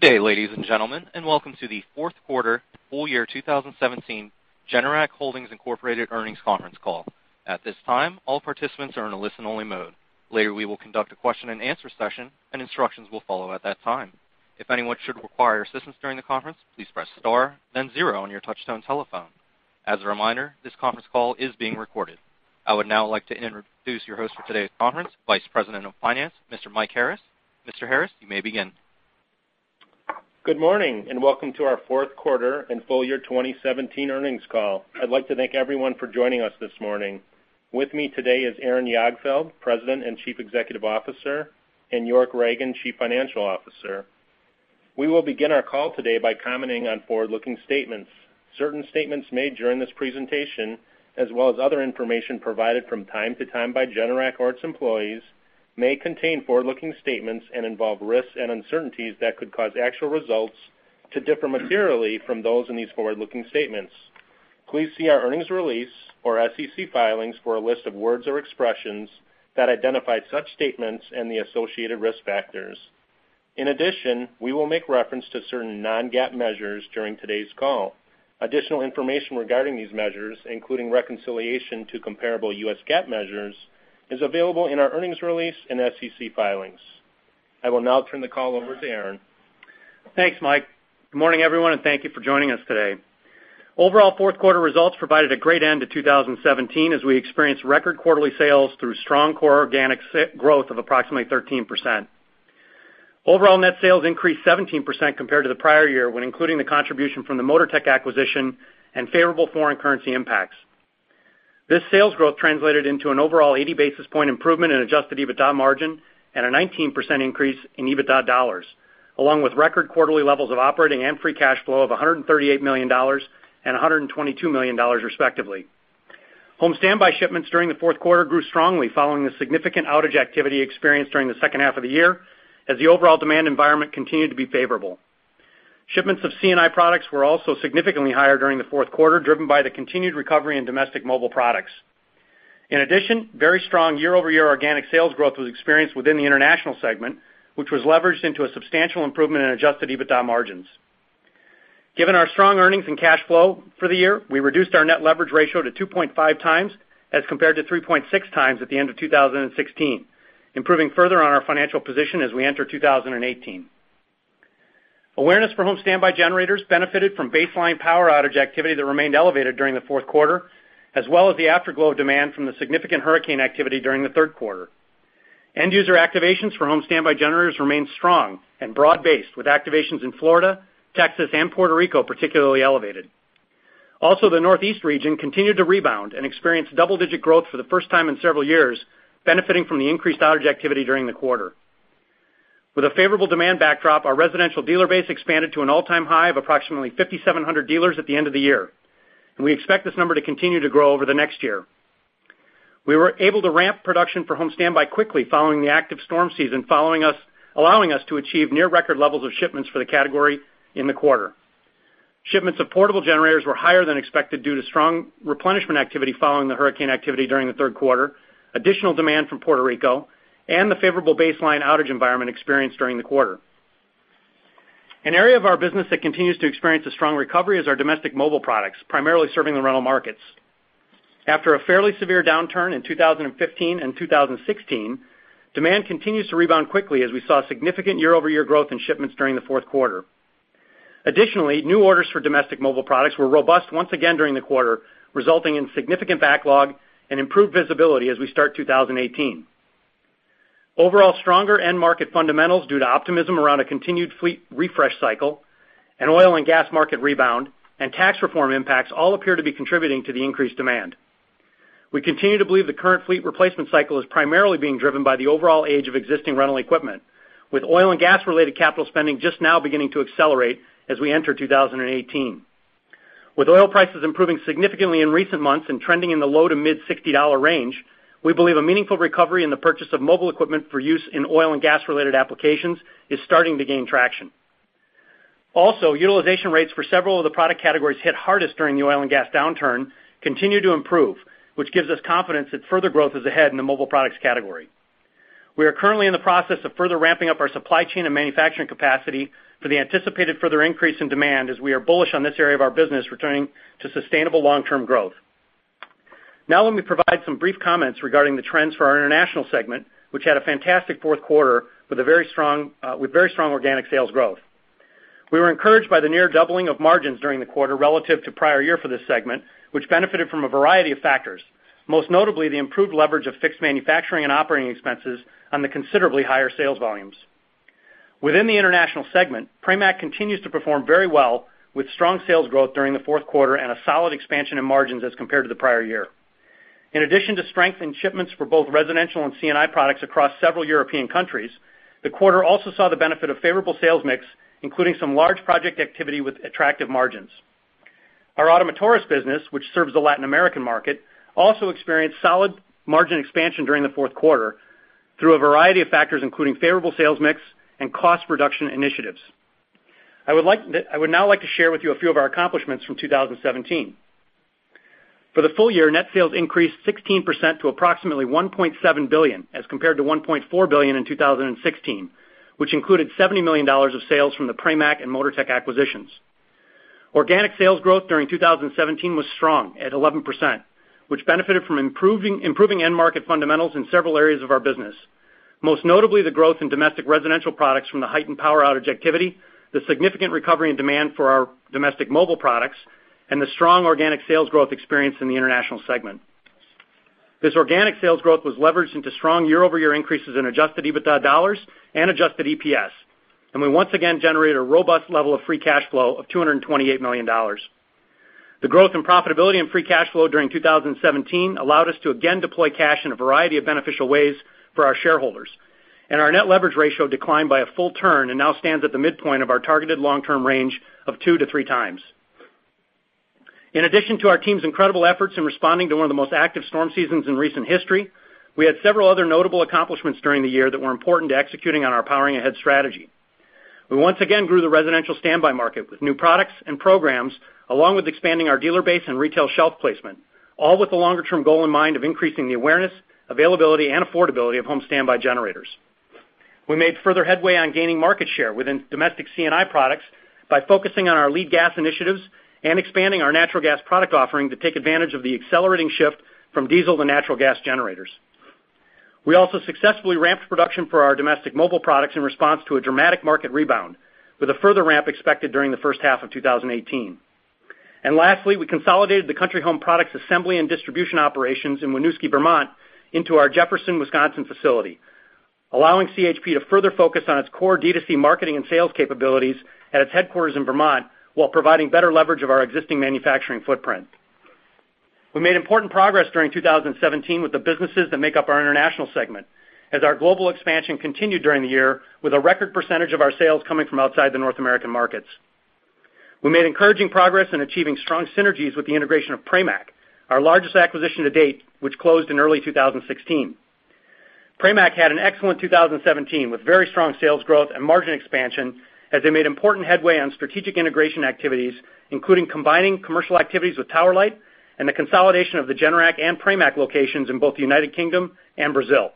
Good day, ladies and gentlemen, welcome to the fourth quarter full year 2017 Generac Holdings Inc. earnings conference call. At this time, all participants are in a listen-only mode. Later, we will conduct a question and answer session and instructions will follow at that time. If anyone should require assistance during the conference, please press star then zero on your touchtone telephone. As a reminder, this conference call is being recorded. I would now like to introduce your host for today's conference, Vice president of Finance, Mr. Michael Harris. Mr. Harris, you may begin. Good morning, welcome to our fourth quarter and full year 2017 earnings call. I'd like to thank everyone for joining us this morning. With me today is Aaron Jagdfeld, president and Chief Executive Officer, and York Ragen, Chief Financial Officer. We will begin our call today by commenting on forward-looking statements. Certain statements made during this presentation, as well as other information provided from time to time by Generac or its employees, may contain forward-looking statements and involve risks and uncertainties that could cause actual results to differ materially from those in these forward-looking statements. Please see our earnings release or SEC filings for a list of words or expressions that identify such statements and the associated risk factors. In addition, we will make reference to certain non-GAAP measures during today's call. Additional information regarding these measures, including reconciliation to comparable U.S. GAAP measures, is available in our earnings release and SEC filings. I will now turn the call over to Aaron. Thanks, Mike. Good morning, everyone, thank you for joining us today. Overall fourth quarter results provided a great end to 2017 as we experienced record quarterly sales through strong core organic growth of approximately 13%. Overall net sales increased 17% compared to the prior year when including the contribution from the Motortech acquisition and favorable foreign currency impacts. This sales growth translated into an overall 80 basis point improvement in adjusted EBITDA margin and a 19% increase in EBITDA dollars, along with record quarterly levels of operating and free cash flow of $138 million and $122 million respectively. Home standby shipments during the fourth quarter grew strongly following the significant outage activity experienced during the second half of the year as the overall demand environment continued to be favorable. Shipments of C&I products were also significantly higher during the fourth quarter, driven by the continued recovery in domestic mobile products. In addition, very strong year-over-year organic sales growth was experienced within the international segment, which was leveraged into a substantial improvement in adjusted EBITDA margins. Given our strong earnings and cash flow for the year, we reduced our net leverage ratio to 2.5 times as compared to 3.6 times at the end of 2016, improving further on our financial position as we enter 2018. Awareness for home standby generators benefited from baseline power outage activity that remained elevated during the fourth quarter, as well as the afterglow demand from the significant hurricane activity during the third quarter. End user activations for home standby generators remained strong and broad-based with activations in Florida, Texas, and Puerto Rico particularly elevated. The Northeast region continued to rebound and experienced double-digit growth for the first time in several years, benefiting from the increased outage activity during the quarter. With a favorable demand backdrop, our residential dealer base expanded to an all-time high of approximately 5,700 dealers at the end of the year. We expect this number to continue to grow over the next year. We were able to ramp production for home standby quickly following the active storm season, allowing us to achieve near record levels of shipments for the category in the quarter. Shipments of portable generators were higher than expected due to strong replenishment activity following the hurricane activity during the third quarter, additional demand from Puerto Rico, and the favorable baseline outage environment experienced during the quarter. An area of our business that continues to experience a strong recovery is our domestic mobile products, primarily serving the rental markets. After a fairly severe downturn in 2015 and 2016, demand continues to rebound quickly as we saw significant year-over-year growth in shipments during the fourth quarter. Additionally, new orders for domestic mobile products were robust once again during the quarter, resulting in significant backlog and improved visibility as we start 2018. Overall stronger end market fundamentals due to optimism around a continued fleet refresh cycle, an oil and gas market rebound, and tax reform impacts all appear to be contributing to the increased demand. We continue to believe the current fleet replacement cycle is primarily being driven by the overall age of existing rental equipment, with oil and gas-related capital spending just now beginning to accelerate as we enter 2018. With oil prices improving significantly in recent months and trending in the low to mid $60 range, we believe a meaningful recovery in the purchase of mobile equipment for use in oil and gas-related applications is starting to gain traction. Utilization rates for several of the product categories hit hardest during the oil and gas downturn continue to improve, which gives us confidence that further growth is ahead in the mobile products category. We are currently in the process of further ramping up our supply chain and manufacturing capacity for the anticipated further increase in demand as we are bullish on this area of our business returning to sustainable long-term growth. Let me provide some brief comments regarding the trends for our international segment, which had a fantastic fourth quarter with very strong organic sales growth. We were encouraged by the near doubling of margins during the quarter relative to prior year for this segment, which benefited from a variety of factors, most notably the improved leverage of fixed manufacturing and operating expenses on the considerably higher sales volumes. Within the international segment, Pramac continues to perform very well with strong sales growth during the fourth quarter and a solid expansion in margins as compared to the prior year. In addition to strength in shipments for both residential and C&I products across several European countries, the quarter also saw the benefit of favorable sales mix, including some large project activity with attractive margins. Our Ottomotores business, which serves the Latin American market, also experienced solid margin expansion during the fourth quarter through a variety of factors, including favorable sales mix and cost reduction initiatives. I would now like to share with you a few of our accomplishments from 2017. For the full year, net sales increased 16% to approximately $1.7 billion as compared to $1.4 billion in 2016, which included $70 million of sales from the Pramac and Motortech acquisitions. Organic sales growth during 2017 was strong at 11%, which benefited from improving end market fundamentals in several areas of our business. Most notably, the growth in domestic residential products from the heightened power outage activity, the significant recovery and demand for our domestic mobile products, and the strong organic sales growth experienced in the international segment. This organic sales growth was leveraged into strong year-over-year increases in adjusted EBITDA dollars and adjusted EPS. We once again generated a robust level of free cash flow of $228 million. The growth in profitability and free cash flow during 2017 allowed us to again deploy cash in a variety of beneficial ways for our shareholders. Our net leverage ratio declined by a full turn and now stands at the midpoint of our targeted long-term range of two to three times. In addition to our team's incredible efforts in responding to one of the most active storm seasons in recent history, we had several other notable accomplishments during the year that were important to executing on our Powering Ahead strategy. We once again grew the residential standby market with new products and programs, along with expanding our dealer base and retail shelf placement, all with the longer-term goal in mind of increasing the awareness, availability, and affordability of home standby generators. We made further headway on gaining market share within domestic C&I products by focusing on our lead gas initiatives and expanding our natural gas product offering to take advantage of the accelerating shift from diesel to natural gas generators. We also successfully ramped production for our domestic mobile products in response to a dramatic market rebound, with a further ramp expected during the first half of 2018. Lastly, we consolidated the Country Home Products assembly and distribution operations in Winooski, Vermont into our Jefferson, Wisconsin facility, allowing CHP to further focus on its core D2C marketing and sales capabilities at its headquarters in Vermont while providing better leverage of our existing manufacturing footprint. We made important progress during 2017 with the businesses that make up our international segment, as our global expansion continued during the year with a record percentage of our sales coming from outside the North American markets. We made encouraging progress in achieving strong synergies with the integration of Pramac, our largest acquisition to date, which closed in early 2016. Pramac had an excellent 2017 with very strong sales growth and margin expansion as they made important headway on strategic integration activities, including combining commercial activities with Tower Light and the consolidation of the Generac and Pramac locations in both the United Kingdom and Brazil.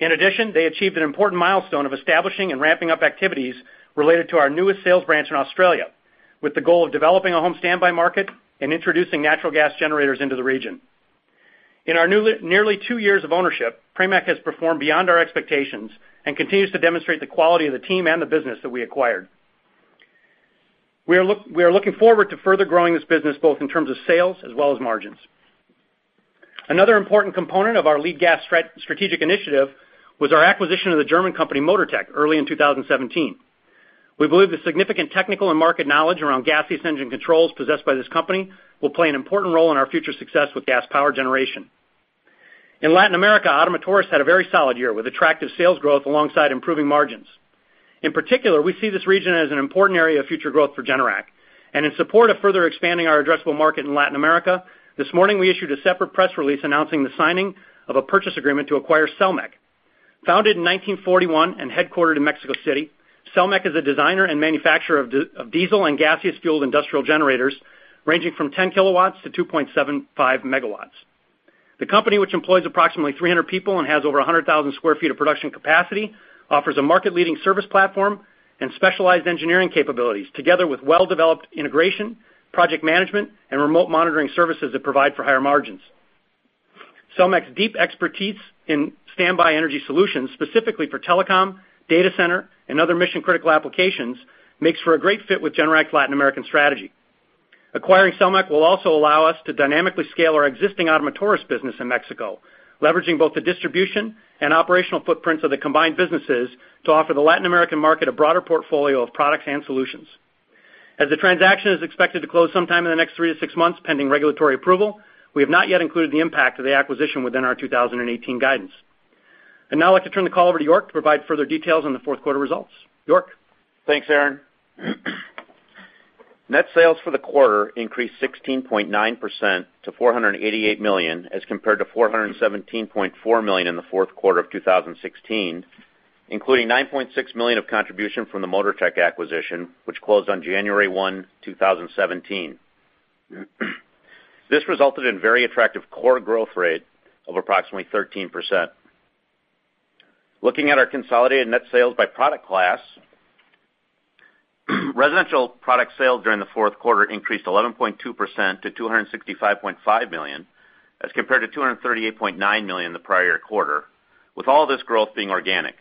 In addition, they achieved an important milestone of establishing and ramping up activities related to our newest sales branch in Australia, with the goal of developing a home standby market and introducing natural gas generators into the region. In our nearly two years of ownership, Pramac has performed beyond our expectations and continues to demonstrate the quality of the team and the business that we acquired. We are looking forward to further growing this business, both in terms of sales as well as margins. Another important component of our lead gas strategic initiative was our acquisition of the German company, Motortech, early in 2017. We believe the significant technical and market knowledge around gaseous engine controls possessed by this company will play an important role in our future success with gas power generation. In Latin America, Ottomotores had a very solid year with attractive sales growth alongside improving margins. In particular, we see this region as an important area of future growth for Generac. In support of further expanding our addressable market in Latin America, this morning, we issued a separate press release announcing the signing of a purchase agreement to acquire Selmec. Founded in 1941 and headquartered in Mexico City, Selmec is a designer and manufacturer of diesel and gaseous fueled industrial generators ranging from 10 kilowatts to 2.75 megawatts. The company, which employs approximately 300 people and has over 100,000 sq ft of production capacity, offers a market-leading service platform and specialized engineering capabilities, together with well-developed integration, project management, and remote monitoring services that provide for higher margins. Selmec's deep expertise in standby energy solutions, specifically for telecom, data center, and other mission-critical applications, makes for a great fit with Generac's Latin American strategy. Acquiring Selmec will also allow us to dynamically scale our existing Ottomotores business in Mexico, leveraging both the distribution and operational footprints of the combined businesses to offer the Latin American market a broader portfolio of products and solutions. As the transaction is expected to close sometime in the next three to six months, pending regulatory approval, we have not yet included the impact of the acquisition within our 2018 guidance. Now I'd like to turn the call over to York to provide further details on the fourth quarter results. York? Thanks, Aaron. Net sales for the quarter increased 16.9% to $488 million, as compared to $417.4 million in the fourth quarter of 2016, including $9.6 million of contribution from the Motortech acquisition, which closed on January 1, 2017. This resulted in very attractive core growth rate of approximately 13%. Looking at our consolidated net sales by product class, residential product sales during the fourth quarter increased 11.2% to $265.5 million as compared to $238.9 million in the prior quarter, with all this growth being organic.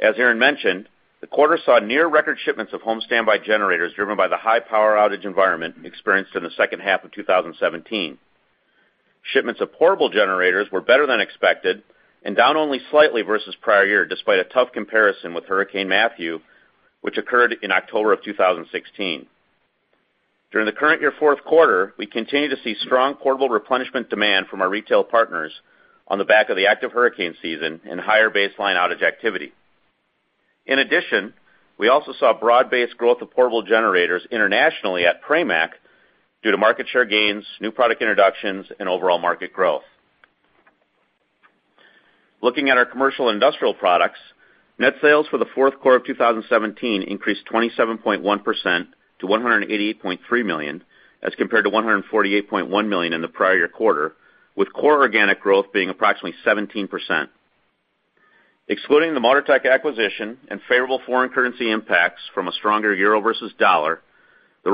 As Aaron mentioned, the quarter saw near record shipments of home standby generators driven by the high power outage environment experienced in the second half of 2017. Shipments of portable generators were better than expected and down only slightly versus prior year, despite a tough comparison with Hurricane Matthew, which occurred in October of 2016. During the current year fourth quarter, we continue to see strong portable replenishment demand from our retail partners on the back of the active hurricane season and higher baseline outage activity. In addition, we also saw broad-based growth of portable generators internationally at Pramac due to market share gains, new product introductions, and overall market growth. Looking at our commercial industrial products, net sales for the fourth quarter of 2017 increased 27.1% to $188.3 million as compared to $148.1 million in the prior quarter, with core organic growth being approximately 17%. Excluding the Motortech acquisition and favorable foreign currency impacts from a stronger euro versus dollar, the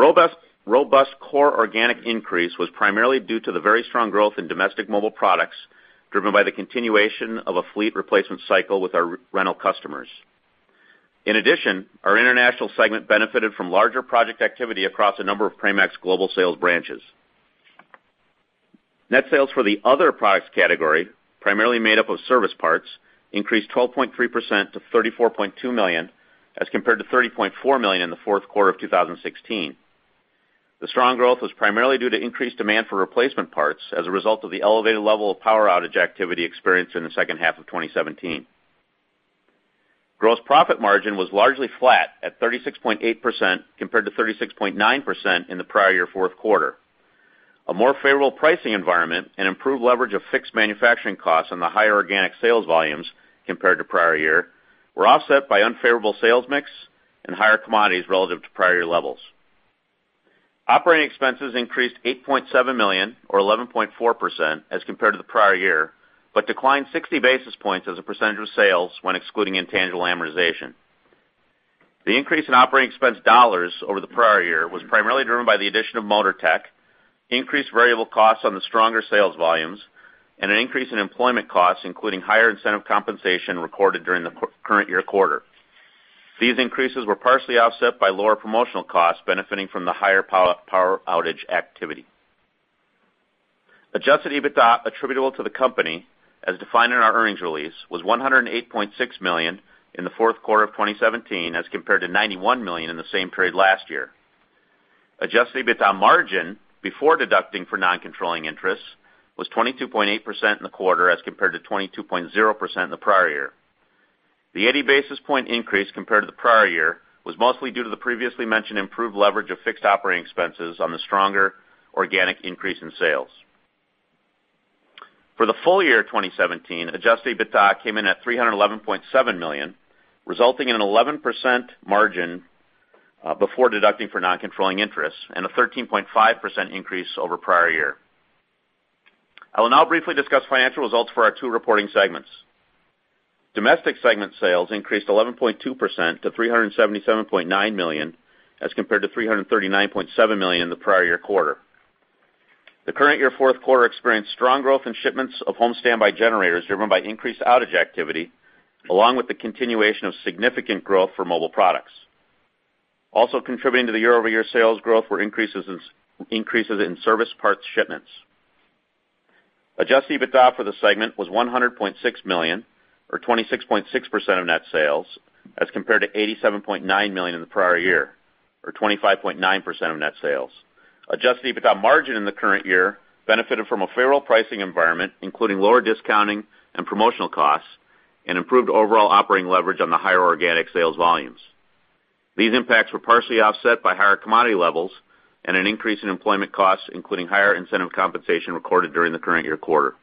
robust core organic increase was primarily due to the very strong growth in domestic mobile products, driven by the continuation of a fleet replacement cycle with our rental customers. Our international segment benefited from larger project activity across a number of Pramac's global sales branches. Net sales for the other products category, primarily made up of service parts, increased 12.3% to $34.2 million as compared to $30.4 million in the fourth quarter of 2016. The strong growth was primarily due to increased demand for replacement parts as a result of the elevated level of power outage activity experienced in the second half of 2017. Gross profit margin was largely flat at 36.8% compared to 36.9% in the prior year fourth quarter. A more favorable pricing environment and improved leverage of fixed manufacturing costs on the higher organic sales volumes compared to prior year were offset by unfavorable sales mix and higher commodities relative to prior year levels. Operating expenses increased $8.7 million or 11.4% as compared to the prior year, declined 60 basis points as a percentage of sales when excluding intangible amortization. The increase in operating expense dollars over the prior year was primarily driven by the addition of Motortech, increased variable costs on the stronger sales volumes, and an increase in employment costs, including higher incentive compensation recorded during the current year quarter. These increases were partially offset by lower promotional costs benefiting from the higher power outage activity. Adjusted EBITDA attributable to the company as defined in our earnings release, was $108.6 million in the fourth quarter of 2017 as compared to $91 million in the same period last year. Adjusted EBITDA margin before deducting for non-controlling interests was 22.8% in the quarter as compared to 22.0% in the prior year. The 80 basis point increase compared to the prior year was mostly due to the previously mentioned improved leverage of fixed operating expenses on the stronger organic increase in sales. For the full year 2017, adjusted EBITDA came in at $311.7 million, resulting in an 11% margin before deducting for non-controlling interests and a 13.5% increase over prior year. I will now briefly discuss financial results for our two reporting segments. Domestic segment sales increased 11.2% to $377.9 million as compared to $339.7 million in the prior year quarter. The current year fourth quarter experienced strong growth in shipments of home standby generators driven by increased outage activity along with the continuation of significant growth for mobile products. Also contributing to the year-over-year sales growth were increases in service parts shipments. Adjusted EBITDA for the segment was $100.6 million or 26.6% of net sales as compared to $87.9 million in the prior year or 25.9% of net sales. Adjusted EBITDA margin in the current year benefited from a favorable pricing environment, including lower discounting and promotional costs and improved overall operating leverage on the higher organic sales volumes. These impacts were partially offset by higher commodity levels and an increase in employment costs, including higher incentive compensation recorded during the current year quarter.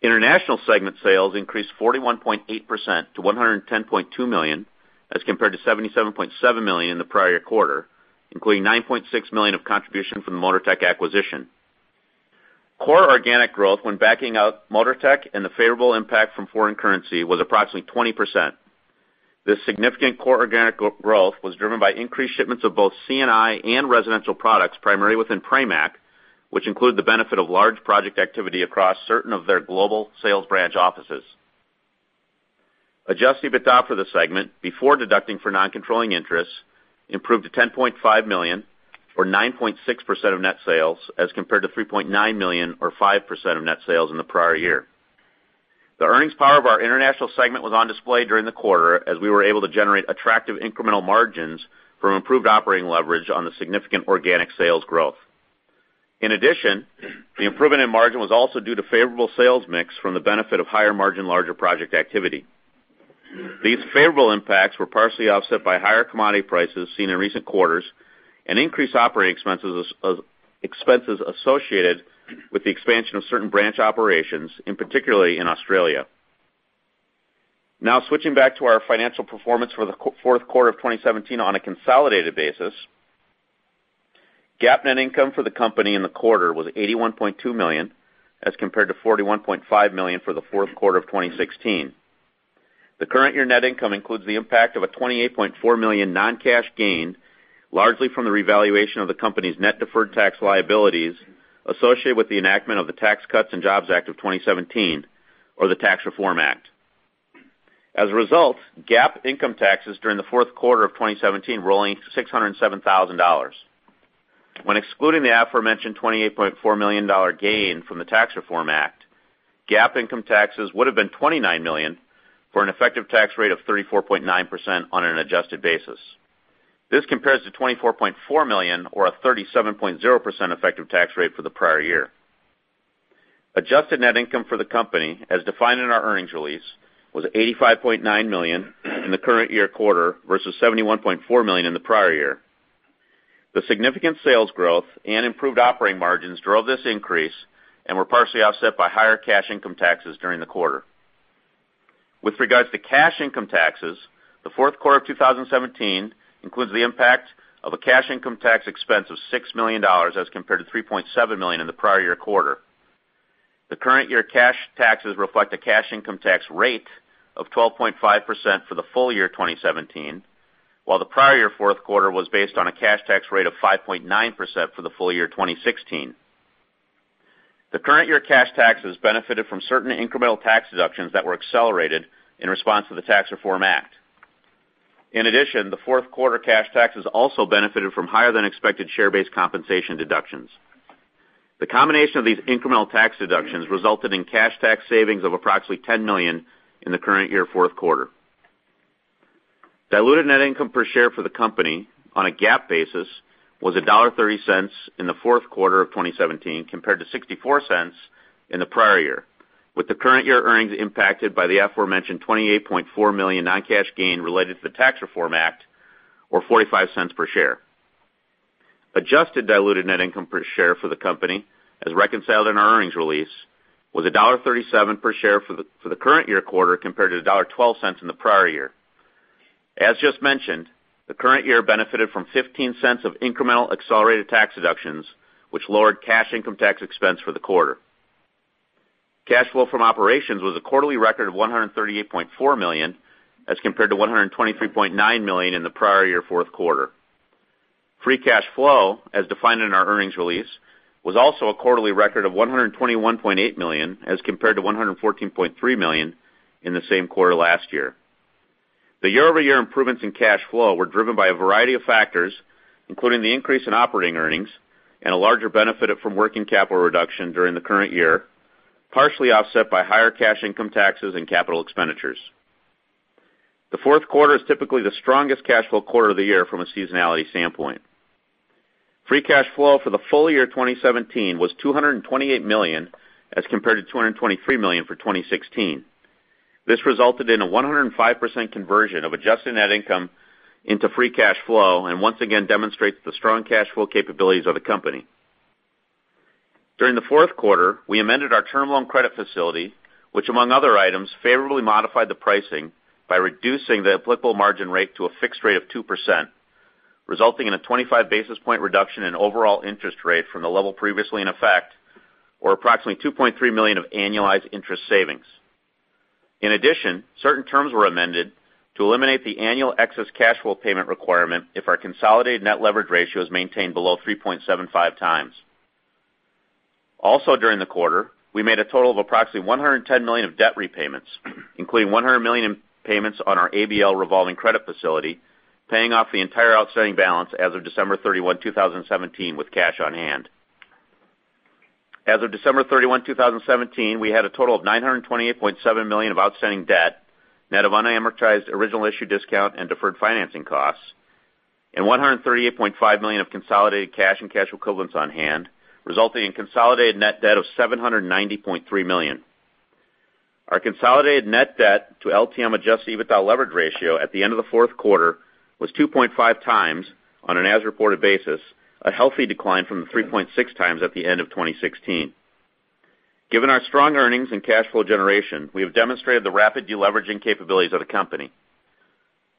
International segment sales increased 41.8% to $110.2 million as compared to $77.7 million in the prior quarter, including $9.6 million of contribution from the Motortech acquisition. Core organic growth when backing out Motortech and the favorable impact from foreign currency was approximately 20%. This significant core organic growth was driven by increased shipments of both C&I and residential products primarily within Pramac, which include the benefit of large project activity across certain of their global sales branch offices. Adjusted EBITDA for the segment before deducting for non-controlling interests improved to $10.5 million or 9.6% of net sales as compared to $3.9 million or 5% of net sales in the prior year. The earnings power of our international segment was on display during the quarter as we were able to generate attractive incremental margins from improved operating leverage on the significant organic sales growth. In addition, the improvement in margin was also due to favorable sales mix from the benefit of higher margin larger project activity. These favorable impacts were partially offset by higher commodity prices seen in recent quarters and increased operating expenses associated with the expansion of certain branch operations and particularly in Australia. Now switching back to our financial performance for the fourth quarter of 2017 on a consolidated basis. GAAP net income for the company in the quarter was $81.2 million as compared to $41.5 million for the fourth quarter of 2016. The current year net income includes the impact of a $28.4 million non-cash gain, largely from the revaluation of the company's net deferred tax liabilities associated with the enactment of the Tax Cuts and Jobs Act of 2017 or the Tax Reform Act. As a result, GAAP income taxes during the fourth quarter of 2017 were only $607,000. When excluding the aforementioned $28.4 million gain from the Tax Reform Act, GAAP income taxes would have been $29 million for an effective tax rate of 34.9% on an adjusted basis. This compares to $24.4 million or a 37.0% effective tax rate for the prior year. Adjusted net income for the company as defined in our earnings release, was $85.9 million in the current year quarter versus $71.4 million in the prior year. The significant sales growth and improved operating margins drove this increase and were partially offset by higher cash income taxes during the quarter. With regards to cash income taxes, the fourth quarter of 2017 includes the impact of a cash income tax expense of $6 million as compared to $3.7 million in the prior year quarter. The current year cash taxes reflect a cash income tax rate of 12.5% for the full year 2017, while the prior year fourth quarter was based on a cash tax rate of 5.9% for the full year 2016. The current year cash taxes benefited from certain incremental tax deductions that were accelerated in response to the Tax Reform Act. The fourth quarter cash taxes also benefited from higher than expected share-based compensation deductions. The combination of these incremental tax deductions resulted in cash tax savings of approximately $10 million in the current year fourth quarter. Diluted net income per share for the company on a GAAP basis was $1.30 in the fourth quarter of 2017, compared to $0.64 in the prior year, with the current year earnings impacted by the aforementioned $28.4 million non-cash gain related to the Tax Reform Act, or $0.45 per share. Adjusted diluted net income per share for the company, as reconciled in our earnings release, was $1.37 per share for the current year quarter compared to $1.12 in the prior year. As just mentioned, the current year benefited from $0.15 of incremental accelerated tax deductions, which lowered cash income tax expense for the quarter. Cash flow from operations was a quarterly record of $138.4 million, as compared to $123.9 million in the prior year fourth quarter. Free cash flow, as defined in our earnings release, was also a quarterly record of $121.8 million, as compared to $114.3 million in the same quarter last year. The year-over-year improvements in cash flow were driven by a variety of factors, including the increase in operating earnings and a larger benefit from working capital reduction during the current year, partially offset by higher cash income taxes and capital expenditures. The fourth quarter is typically the strongest cash flow quarter of the year from a seasonality standpoint. Free cash flow for the full year 2017 was $228 million, as compared to $223 million for 2016. This resulted in a 105% conversion of adjusted net income into free cash flow and once again demonstrates the strong cash flow capabilities of the company. During the fourth quarter, we amended our term loan credit facility, which, among other items, favorably modified the pricing by reducing the applicable margin rate to a fixed rate of 2%, resulting in a 25-basis point reduction in overall interest rate from the level previously in effect, or approximately $2.3 million of annualized interest savings. Certain terms were amended to eliminate the annual excess cash flow payment requirement if our consolidated net leverage ratio is maintained below 3.75 times. Also, during the quarter, we made a total of approximately $110 million of debt repayments, including $100 million in payments on our ABL revolving credit facility, paying off the entire outstanding balance as of December 31, 2017, with cash on hand. As of December 31, 2017, we had a total of $928.7 million of outstanding debt, net of unamortized original issue discount and deferred financing costs, and $138.5 million of consolidated cash and cash equivalents on hand, resulting in consolidated net debt of $790.3 million. Our consolidated net debt to LTM adjusted EBITDA leverage ratio at the end of the fourth quarter was 2.5 times on an as-reported basis, a healthy decline from the 3.6 times at the end of 2016. Given our strong earnings and cash flow generation, we have demonstrated the rapid deleveraging capabilities of the company.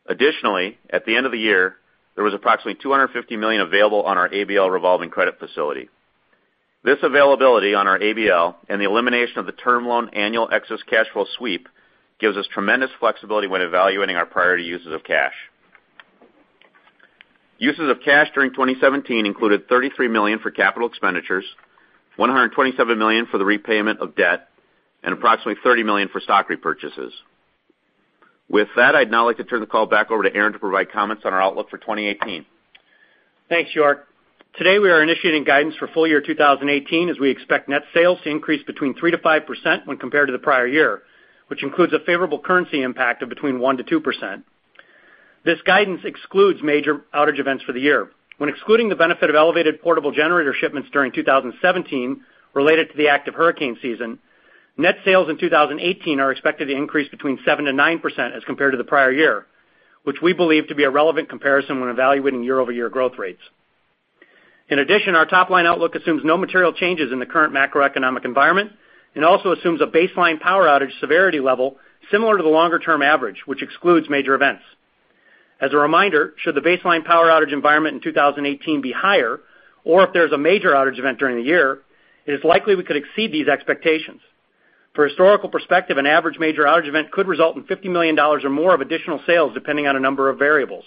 At the end of the year, there was approximately $250 million available on our ABL revolving credit facility. This availability on our ABL and the elimination of the term loan annual excess cash flow sweep gives us tremendous flexibility when evaluating our priority uses of cash. Uses of cash during 2017 included $33 million for capital expenditures, $127 million for the repayment of debt, and approximately $30 million for stock repurchases. With that, I'd now like to turn the call back over to Aaron to provide comments on our outlook for 2018. Thanks, York. We are initiating guidance for full year 2018 as we expect net sales to increase between 3%-5% when compared to the prior year, which includes a favorable currency impact of between 1%-2%. This guidance excludes major outage events for the year. When excluding the benefit of elevated portable generator shipments during 2017 related to the active hurricane season, net sales in 2018 are expected to increase between 7%-9% as compared to the prior year, which we believe to be a relevant comparison when evaluating year-over-year growth rates. Our top-line outlook assumes no material changes in the current macroeconomic environment and also assumes a baseline power outage severity level similar to the longer-term average, which excludes major events. Should the baseline power outage environment in 2018 be higher, or if there is a major outage event during the year, it is likely we could exceed these expectations. For historical perspective, an average major outage event could result in $50 million or more of additional sales, depending on a number of variables.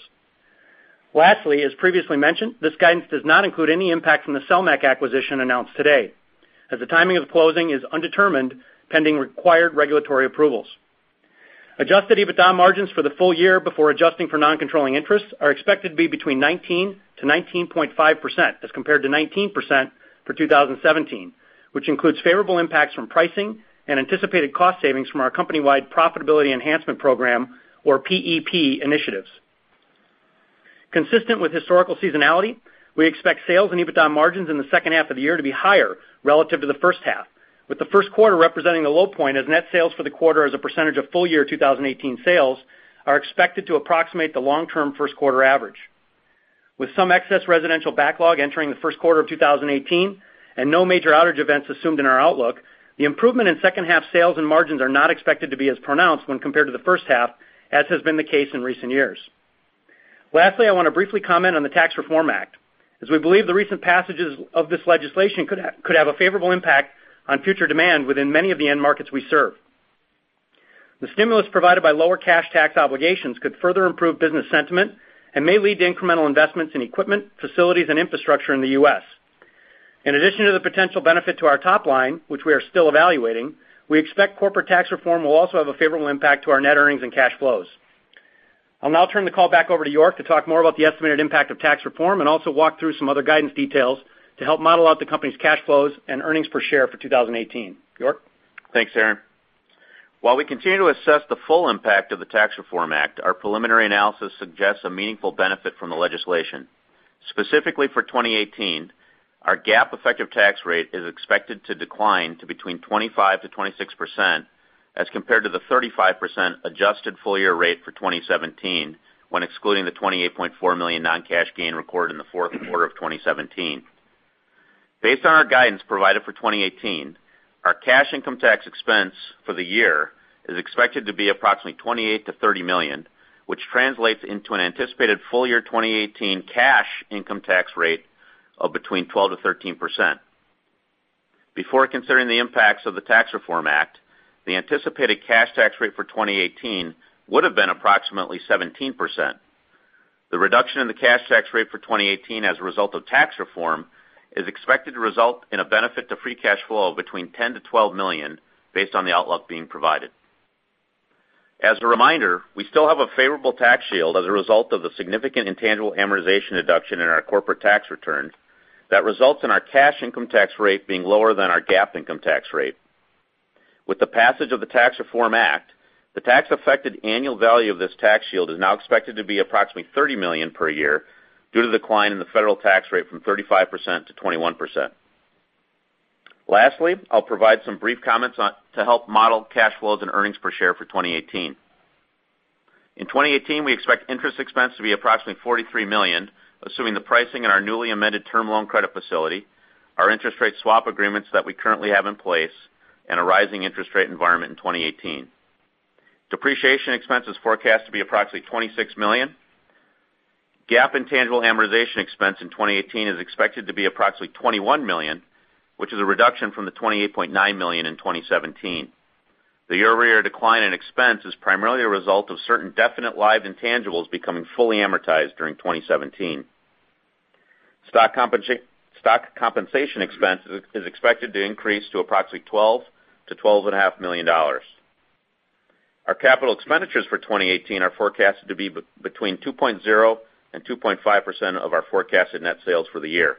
As previously mentioned, this guidance does not include any impact from the Selmec acquisition announced today, as the timing of the closing is undetermined pending required regulatory approvals. Adjusted EBITDA margins for the full year before adjusting for non-controlling interests are expected to be between 19%-19.5% as compared to 19% for 2017, which includes favorable impacts from pricing and anticipated cost savings from our company-wide Profitability Enhancement Program or PEP initiatives. Consistent with historical seasonality, we expect sales and EBITDA margins in the second half of the year to be higher relative to the first half. With the first quarter representing the low point as net sales for the quarter as a percentage of full-year 2018 sales are expected to approximate the long-term first quarter average. With some excess residential backlog entering the first quarter of 2018 and no major outage events assumed in our outlook, the improvement in second half sales and margins are not expected to be as pronounced when compared to the first half, as has been the case in recent years. Lastly, I want to briefly comment on the Tax Reform Act, as we believe the recent passages of this legislation could have a favorable impact on future demand within many of the end markets we serve. The stimulus provided by lower cash tax obligations could further improve business sentiment and may lead to incremental investments in equipment, facilities, and infrastructure in the U.S. In addition to the potential benefit to our top line, which we are still evaluating, we expect corporate Tax Reform will also have a favorable impact to our net earnings and cash flows. I'll now turn the call back over to York to talk more about the estimated impact of Tax Reform and also walk through some other guidance details to help model out the company's cash flows and earnings per share for 2018. York? Thanks, Aaron. While we continue to assess the full impact of the Tax Reform Act, our preliminary analysis suggests a meaningful benefit from the legislation. Specifically for 2018, our GAAP effective tax rate is expected to decline to between 25%-26%, as compared to the 35% adjusted full-year rate for 2017 when excluding the $28.4 million non-cash gain recorded in the fourth quarter of 2017. Based on our guidance provided for 2018, our cash income tax expense for the year is expected to be approximately $28 million-$30 million, which translates into an anticipated full-year 2018 cash income tax rate of between 12%-13%. Before considering the impacts of the Tax Reform Act, the anticipated cash tax rate for 2018 would've been approximately 17%. The reduction in the cash tax rate for 2018 as a result of Tax Reform is expected to result in a benefit to free cash flow of between $10 million-$12 million based on the outlook being provided. As a reminder, we still have a favorable tax shield as a result of the significant intangible amortization deduction in our corporate tax return that results in our cash income tax rate being lower than our GAAP income tax rate. With the passage of the Tax Reform Act, the tax-affected annual value of this tax shield is now expected to be approximately $30 million per year due to the decline in the federal tax rate from 35%-21%. Lastly, I'll provide some brief comments to help model cash flows and earnings per share for 2018. In 2018, we expect interest expense to be approximately $43 million, assuming the pricing in our newly amended term loan credit facility, our interest rate swap agreements that we currently have in place, and a rising interest rate environment in 2018. Depreciation expense is forecast to be approximately $26 million. GAAP intangible amortization expense in 2018 is expected to be approximately $21 million, which is a reduction from the $28.9 million in 2017. The year-over-year decline in expense is primarily a result of certain definite live intangibles becoming fully amortized during 2017. Stock compensation expense is expected to increase to approximately $12 million to $12.5 million. Our capital expenditures for 2018 are forecasted to be between 2.0% and 2.5% of our forecasted net sales for the year.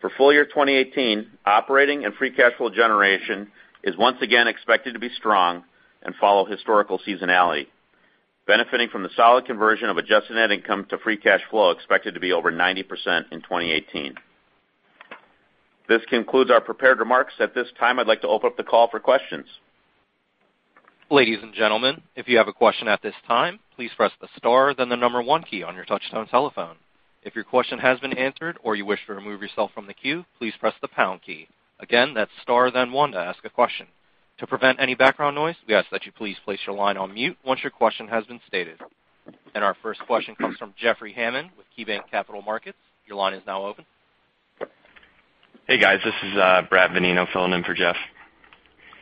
For full-year 2018, operating and free cash flow generation is once again expected to be strong and follow historical seasonality, benefiting from the solid conversion of adjusted net income to free cash flow expected to be over 90% in 2018. This concludes our prepared remarks. At this time, I'd like to open up the call for questions. Ladies and gentlemen, if you have a question at this time, please press the star then the number 1 key on your touch-tone telephone. If your question has been answered or you wish to remove yourself from the queue, please press the pound key. Again, that's star then 1 to ask a question. To prevent any background noise, we ask that you please place your line on mute once your question has been stated. Our first question comes from Jeffrey Hammond with KeyBanc Capital Markets. Your line is now open. Hey, guys. This is Brad Venino filling in for Jeff.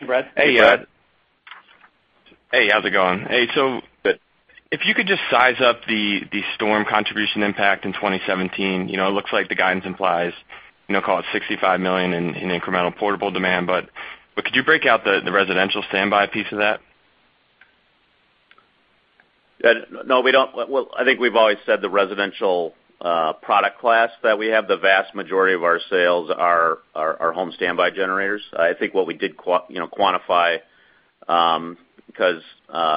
Hey, Brad. Hey, Brad. Hey, how's it going? If you could just size up the storm contribution impact in 2017. It looks like the guidance implies, call it $65 million in incremental portable demand, could you break out the residential standby piece of that? No, we don't. I think we've always said the residential product class that we have, the vast majority of our sales are home standby generators. I think what we did quantify because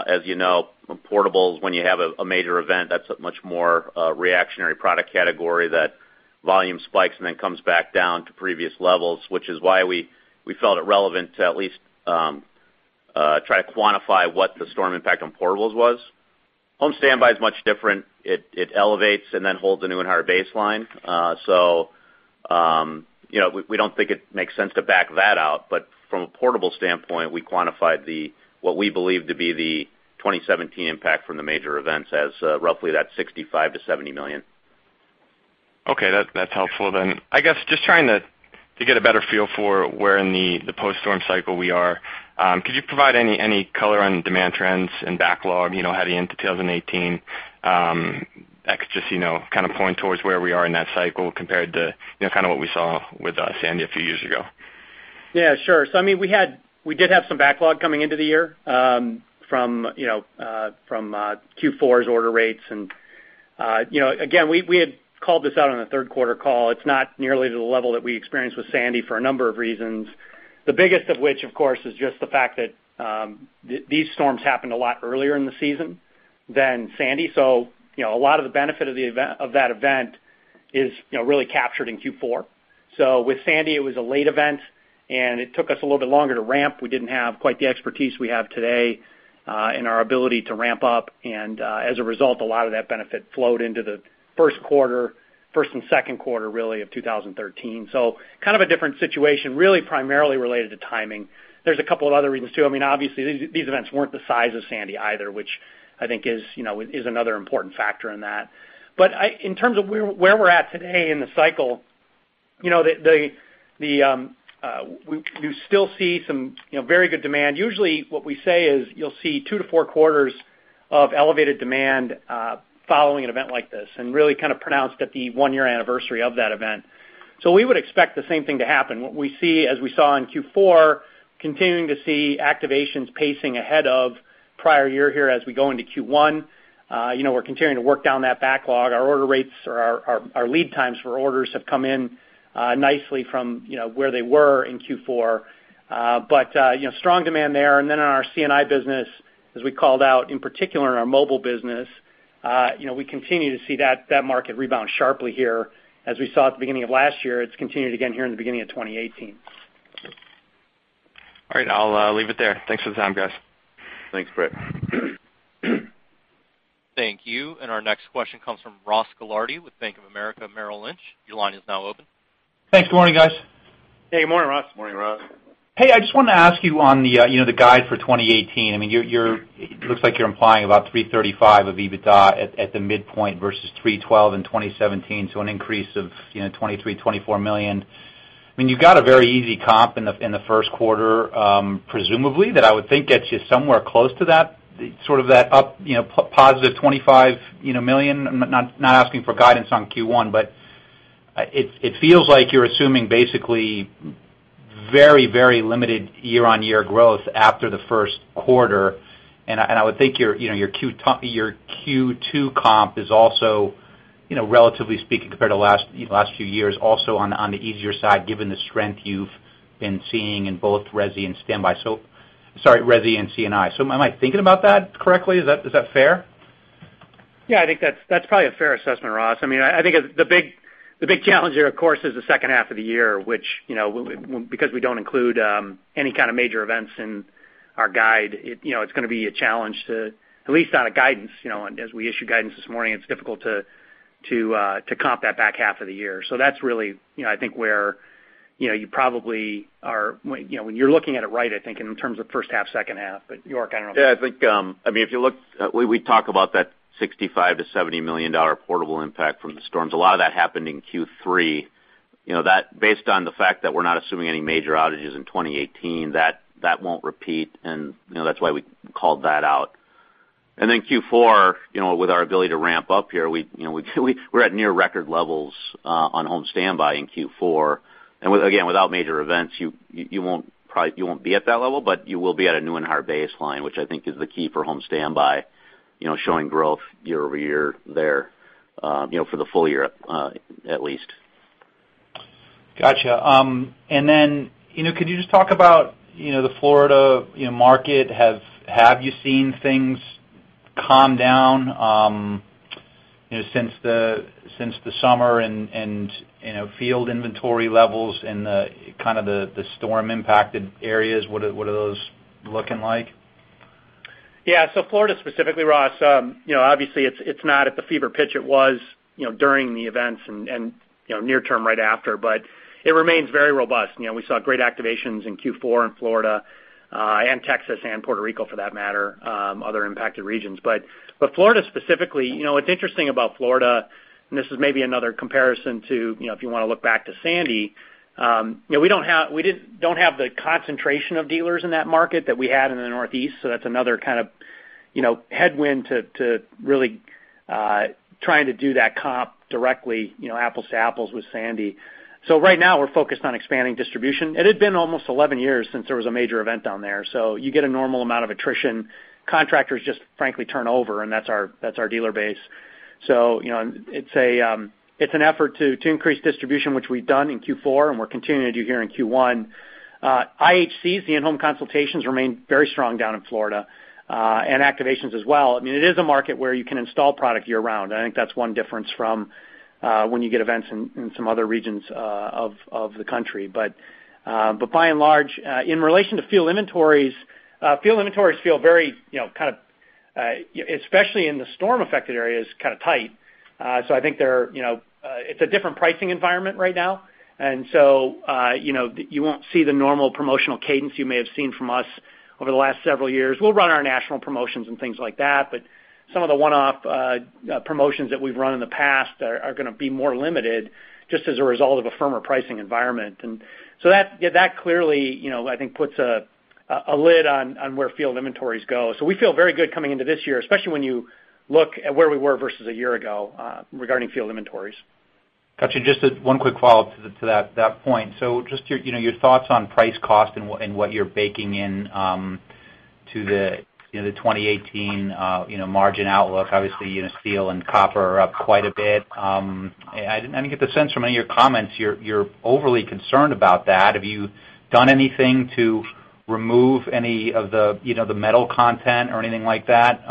as you know, portables, when you have a major event, that's a much more reactionary product category that volume spikes and then comes back down to previous levels, which is why we felt it relevant to at least try to quantify what the storm impact on portables was. Home standby is much different. It elevates and then holds a new and higher baseline. We don't think it makes sense to back that out. From a portable standpoint, we quantified what we believe to be the 2017 impact from the major events as roughly that $65 million-$70 million. Okay. That's helpful then. I guess just trying to get a better feel for where in the post-storm cycle we are. Could you provide any color on demand trends and backlog heading into 2018? Just kind of point towards where we are in that cycle compared to what we saw with Sandy a few years ago. Yeah, sure. We did have some backlog coming into the year from Q4's order rates. Again, we had called this out on the third quarter call. It's not nearly to the level that we experienced with Sandy for a number of reasons. The biggest of which, of course, is just the fact that these storms happened a lot earlier in the season than Sandy. A lot of the benefit of that event is really captured in Q4. With Sandy, it was a late event, and it took us a little bit longer to ramp. We didn't have quite the expertise we have today in our ability to ramp up. As a result, a lot of that benefit flowed into the first and second quarter, really of 2013. Kind of a different situation, really primarily related to timing. There's a couple of other reasons, too. Obviously, these events weren't the size of Sandy either, which I think is another important factor in that. In terms of where we're at today in the cycle, we still see some very good demand. Usually, what we say is you'll see two to four quarters of elevated demand following an event like this, and really kind of pronounced at the one-year anniversary of that event. We would expect the same thing to happen. What we see, as we saw in Q4, continuing to see activations pacing ahead of prior year here as we go into Q1. We're continuing to work down that backlog. Our order rates or our lead times for orders have come in nicely from where they were in Q4. Strong demand there. On our C&I business, as we called out, in particular in our mobile business, we continue to see that market rebound sharply here. As we saw at the beginning of last year, it's continued again here in the beginning of 2018. All right. I'll leave it there. Thanks for the time, guys. Thanks, Brad. Thank you. Our next question comes from Ross Gilardi with Bank of America Merrill Lynch. Your line is now open. Thanks. Good morning, guys. Hey, good morning, Ross. Good morning, Ross. Hey, I just wanted to ask you on the guide for 2018, it looks like you're implying about $335 million of EBITDA at the midpoint versus $312 million in 2017, an increase of $23 million, $24 million. You've got a very easy comp in the first quarter, presumably, that I would think gets you somewhere close to that, sort of that up positive $25 million. I'm not asking for guidance on Q1, but it feels like you're assuming basically very limited year-on-year growth after the first quarter, and I would think your Q2 comp is also, relatively speaking, compared to last few years, also on the easier side, given the strength you've been seeing in both Resi and standby. Sorry, Resi and C&I. Am I thinking about that correctly? Is that fair? Yeah, I think that's probably a fair assessment, Ross. I think the big challenge here, of course, is the second half of the year, which, because we don't include any kind of major events in our guide, it's going to be a challenge to, at least on a guidance, as we issued guidance this morning, it's difficult to comp that back half of the year. That's really, I think, where you probably when you're looking at it right, I think in terms of first half, second half. York, I don't know. I think, if you look, we talk about that $65 million-$70 million portable impact from the storms. A lot of that happened in Q3. Based on the fact that we're not assuming any major outages in 2018, that won't repeat, and that's why we called that out. Q4, with our ability to ramp up here, we're at near record levels on home standby in Q4. Again, without major events, you won't be at that level, but you will be at a new and hard baseline, which I think is the key for home standby, showing growth year-over-year there, for the full year, at least. Got you. Could you just talk about the Florida market? Have you seen things calm down since the summer and field inventory levels and the storm-impacted areas? What are those looking like? Yeah. Florida specifically, Ross, obviously, it's not at the fever pitch it was during the events and near term right after, but it remains very robust. We saw great activations in Q4 in Florida, and Texas and Puerto Rico, for that matter, other impacted regions. Florida specifically, what's interesting about Florida, and this is maybe another comparison to, if you want to look back to Sandy, we don't have the concentration of dealers in that market that we had in the Northeast, so that's another kind of headwind to really trying to do that comp directly, apples to apples with Sandy. Right now, we're focused on expanding distribution. It had been almost 11 years since there was a major event down there. You get a normal amount of attrition. Contractors just frankly turn over, and that's our dealer base. It's an effort to increase distribution, which we've done in Q4, and we're continuing to do here in Q1. IHCs, the in-home consultations, remain very strong down in Florida, and activations as well. It is a market where you can install product year-round. I think that's one difference from when you get events in some other regions of the country. By and large, in relation to field inventories, field inventories feel very, especially in the storm-affected areas, kind of tight. I think it's a different pricing environment right now. You won't see the normal promotional cadence you may have seen from us over the last several years. We'll run our national promotions and things like that, but some of the one-off promotions that we've run in the past are going to be more limited just as a result of a firmer pricing environment. That clearly, I think, puts a lid on where field inventories go. We feel very good coming into this year, especially when you look at where we were versus a year ago, regarding field inventories. Got you. Just one quick follow-up to that point. Just your thoughts on price cost and what you're baking in to the 2018 margin outlook. Obviously, steel and copper are up quite a bit. I didn't get the sense from any of your comments you're overly concerned about that. Have you done anything to remove any of the metal content or anything like that,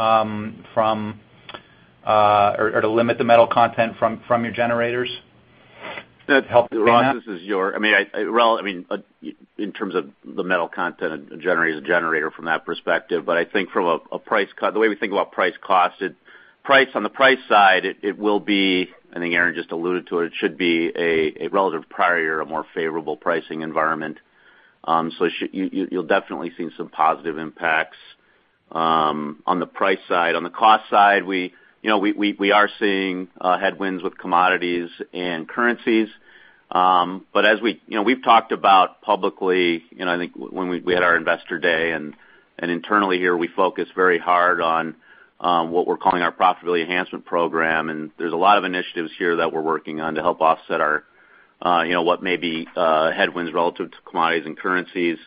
or to limit the metal content from your generators? Ross, in terms of the metal content, a generator is a generator from that perspective. The way we think about price cost, on the price side, it will be, I think Aaron just alluded to it should be a relative prior, a more favorable pricing environment. You'll definitely see some positive impacts on the price side. On the cost side, we are seeing headwinds with commodities and currencies. We've talked about publicly, I think when we had our investor day, and internally here, we focus very hard on what we're calling our Profitability Enhancement Program. There's a lot of initiatives here that we're working on to help offset what may be headwinds relative to commodities and currencies.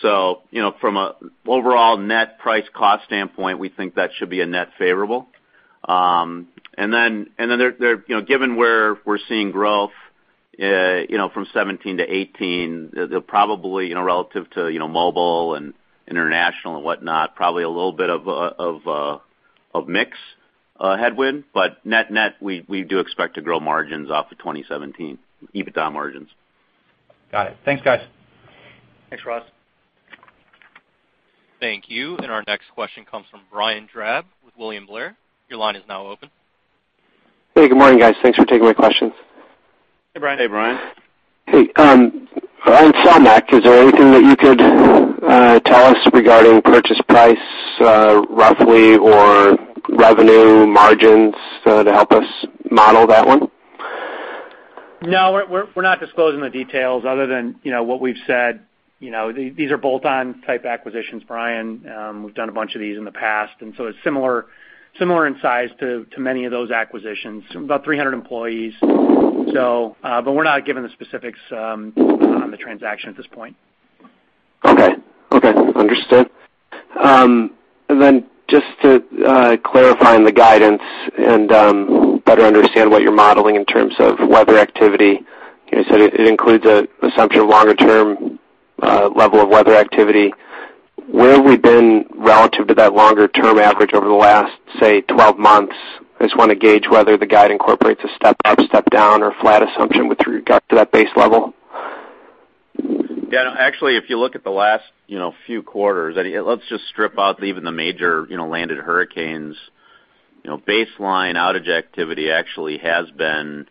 From an overall net price cost standpoint, we think that should be a net favorable. Given where we're seeing growth from 2017 to 2018, they're probably relative to mobile and international and whatnot, probably a little bit of mix headwind, but net, we do expect to grow margins off of 2017, EBITDA margins. Got it. Thanks, guys. Thanks, Ross. Thank you. Our next question comes from Brian Drab with William Blair. Your line is now open. Hey, good morning, guys. Thanks for taking my questions. Hey, Brian. Hey, Brian. Hey. On Selmec, is there anything that you could tell us regarding purchase price, roughly, or revenue margins to help us model that one? No, we're not disclosing the details other than what we've said. These are bolt-on type acquisitions, Brian. We've done a bunch of these in the past, and so it's similar in size to many of those acquisitions, about 300 employees. We're not giving the specifics on the transaction at this point. Okay. Understood. Just to clarify on the guidance and better understand what you're modeling in terms of weather activity, you said it includes an assumption of longer-term level of weather activity. Where have we been relative to that longer-term average over the last, say, 12 months? I just want to gauge whether the guide incorporates a step up, step down, or flat assumption with regard to that base level. Actually, if you look at the last few quarters, let's just strip out even the major landed hurricanes. Baseline outage activity actually has been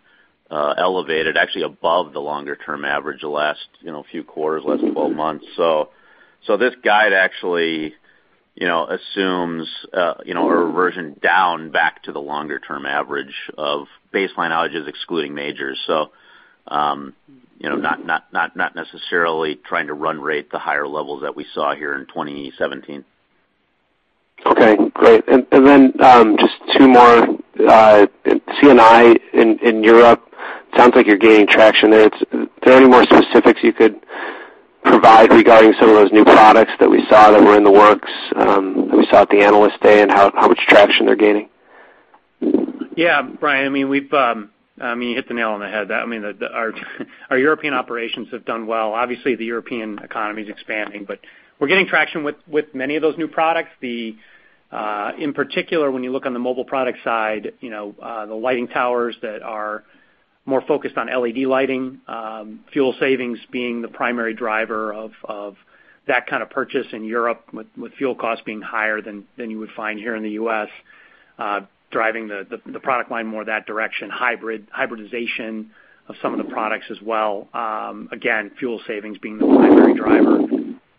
elevated actually above the longer-term average the last few quarters, last 12 months. This guide actually assumes a reversion down back to the longer-term average of baseline outages excluding majors. Not necessarily trying to run rate the higher levels that we saw here in 2017. Okay, great. Just two more. C&I in Europe, sounds like you're gaining traction there. Are there any more specifics you could provide regarding some of those new products that we saw that were in the works, that we saw at the Analyst Day and how much traction they're gaining? Brian, you hit the nail on the head. Our European operations have done well. Obviously, the European economy is expanding, we're gaining traction with many of those new products. In particular, when you look on the mobile product side, the lighting towers that are more focused on LED lighting, fuel savings being the primary driver of that kind of purchase in Europe, with fuel costs being higher than you would find here in the U.S., driving the product line more that direction, hybridization of some of the products as well. Again, fuel savings being the primary driver.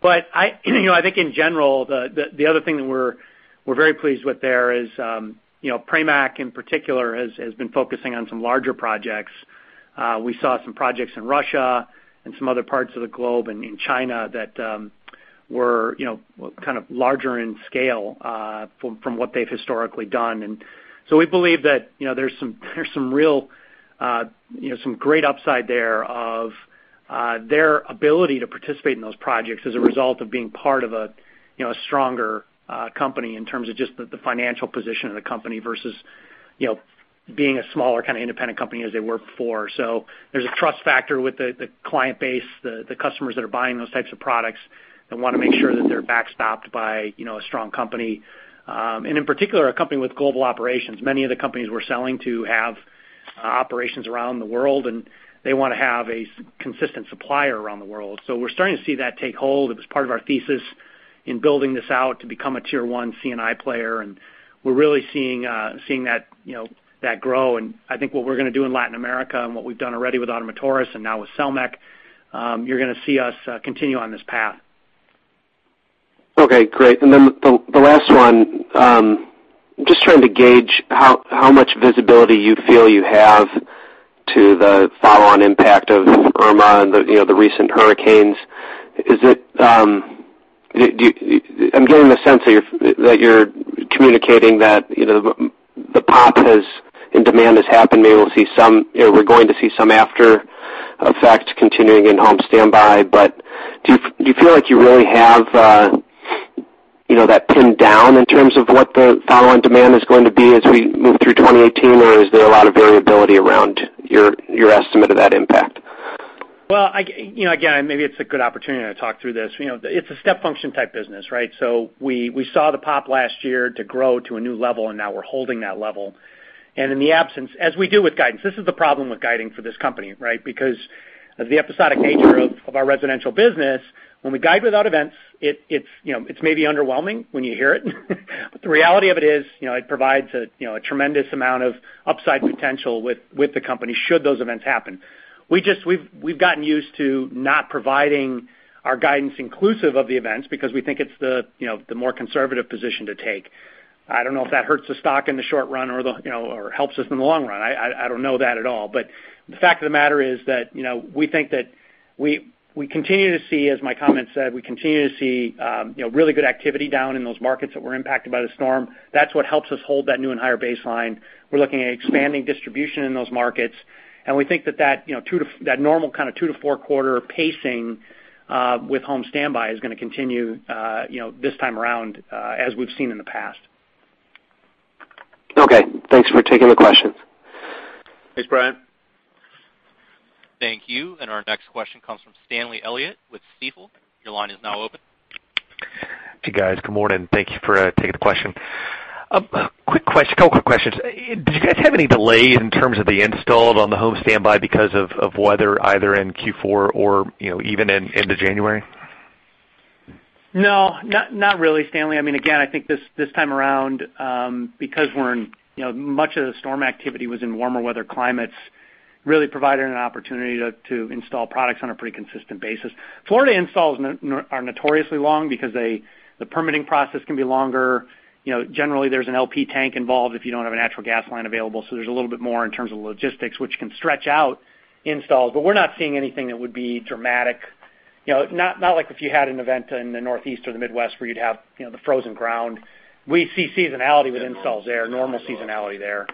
I think in general, the other thing that we're very pleased with there is Pramac in particular has been focusing on some larger projects. We saw some projects in Russia and some other parts of the globe and in China that were kind of larger in scale from what they've historically done. We believe that there's some great upside there of their ability to participate in those projects as a result of being part of a stronger company in terms of just the financial position of the company versus being a smaller kind of independent company as they were before. There's a trust factor with the client base, the customers that are buying those types of products that want to make sure that they're backstopped by a strong company. In particular, a company with global operations. Many of the companies we're selling to have operations around the world, and they want to have a consistent supplier around the world. We're starting to see that take hold. It was part of our thesis in building this out to become a tier one C&I player, and we're really seeing that grow. I think what we're going to do in Latin America and what we've done already with Ottomotores and now with Selmec, you're going to see us continue on this path. Okay, great. The last one, just trying to gauge how much visibility you feel you have to the follow-on impact of Hurricane Irma and the recent hurricanes. I'm getting the sense that you're communicating that the pop in demand has happened. Maybe we're going to see some after effects continuing in home standby, but do you feel like you really have that pinned down in terms of what the follow-on demand is going to be as we move through 2018. Is there a lot of variability around your estimate of that impact? Again, maybe it's a good opportunity to talk through this. It's a step function type business, right? We saw the pop last year to grow to a new level. Now we're holding that level. In the absence, as we do with guidance, this is the problem with guiding for this company, right? Because of the episodic nature of our residential business, when we guide without events, it's maybe underwhelming when you hear it. The reality of it is, it provides a tremendous amount of upside potential with the company should those events happen. We've gotten used to not providing our guidance inclusive of the events because we think it's the more conservative position to take. I don't know if that hurts the stock in the short run or helps us in the long run. I don't know that at all. The fact of the matter is that we think that we continue to see, as my comments said, we continue to see really good activity down in those markets that were impacted by the storm. That's what helps us hold that new and higher baseline. We're looking at expanding distribution in those markets. We think that normal kind of 2 to 4 quarter pacing with home standby is going to continue this time around, as we've seen in the past. Okay. Thanks for taking the questions. Thanks, Brian. Thank you. Our next question comes from Stanley Elliott with Stifel. Your line is now open. Hey, guys. Good morning. Thank you for taking the question. A couple quick questions. Did you guys have any delay in terms of the installs on the home standby because of weather, either in Q4 or even into January? No, not really, Stanley. Again, I think this time around, because much of the storm activity was in warmer weather climates, really provided an opportunity to install products on a pretty consistent basis. Florida installs are notoriously long because the permitting process can be longer. Generally, there's an LP tank involved if you don't have a natural gas line available, so there's a little bit more in terms of logistics, which can stretch out installs. We're not seeing anything that would be dramatic. Not like if you had an event in the Northeast or the Midwest where you'd have the frozen ground. We see seasonality with installs there, normal seasonality there.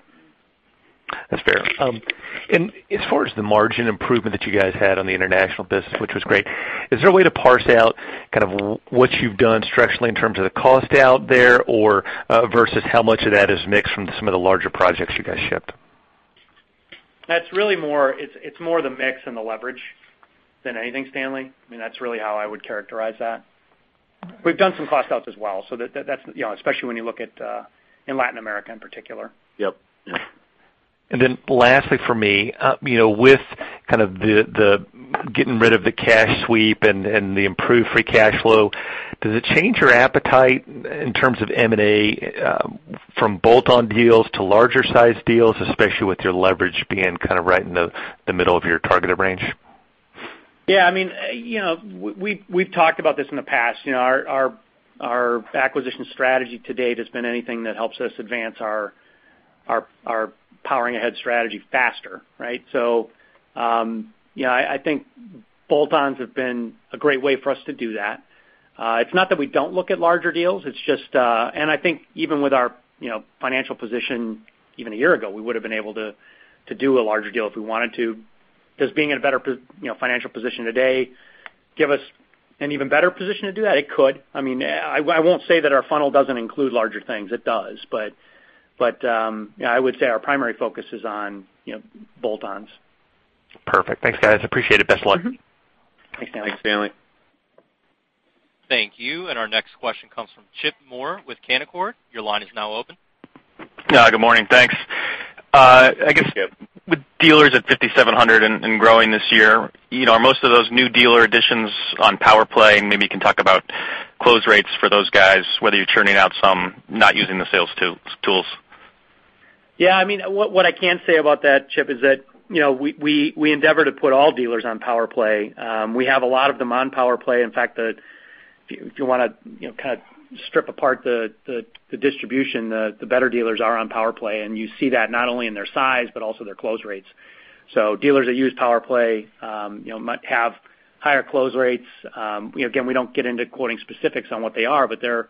That's fair. As far as the margin improvement that you guys had on the international business, which was great, is there a way to parse out kind of what you've done structurally in terms of the cost out there, or versus how much of that is mixed from some of the larger projects you guys shipped? It's more the mix and the leverage than anything, Stanley. That's really how I would characterize that. We've done some cost outs as well, especially when you look at in Latin America in particular. Yep. Lastly for me, with kind of the getting rid of the cash sweep and the improved free cash flow, does it change your appetite in terms of M&A from bolt-on deals to larger size deals, especially with your leverage being kind of right in the middle of your targeted range? Yeah. We've talked about this in the past. Our acquisition strategy to date has been anything that helps us advance our Powering Ahead strategy faster, right? I think bolt-ons have been a great way for us to do that. It's not that we don't look at larger deals. I think even with our financial position even a year ago, we would've been able to do a larger deal if we wanted to. Does being in a better financial position today give us an even better position to do that? It could. I won't say that our funnel doesn't include larger things. It does. I would say our primary focus is on bolt-ons. Perfect. Thanks, guys. Appreciate it. Best luck. Thanks, Stanley. Thanks, Stanley. Thank you. Our next question comes f rom Chip Moore with Canaccord. Your line is now open. Good morning. Thanks. I guess with dealers at 5,700 and growing this year, are most of those new dealer additions on PowerPlay? Maybe you can talk about close rates for those guys, whether you're churning out some not using the sales tools. Yeah. What I can say about that, Chip, is that we endeavor to put all dealers on PowerPlay. We have a lot of them on PowerPlay. In fact, if you want to kind of strip apart the distribution, the better dealers are on PowerPlay, and you see that not only in their size, but also their close rates. Dealers that use PowerPlay might have higher close rates. Again, we don't get into quoting specifics on what they are, but they're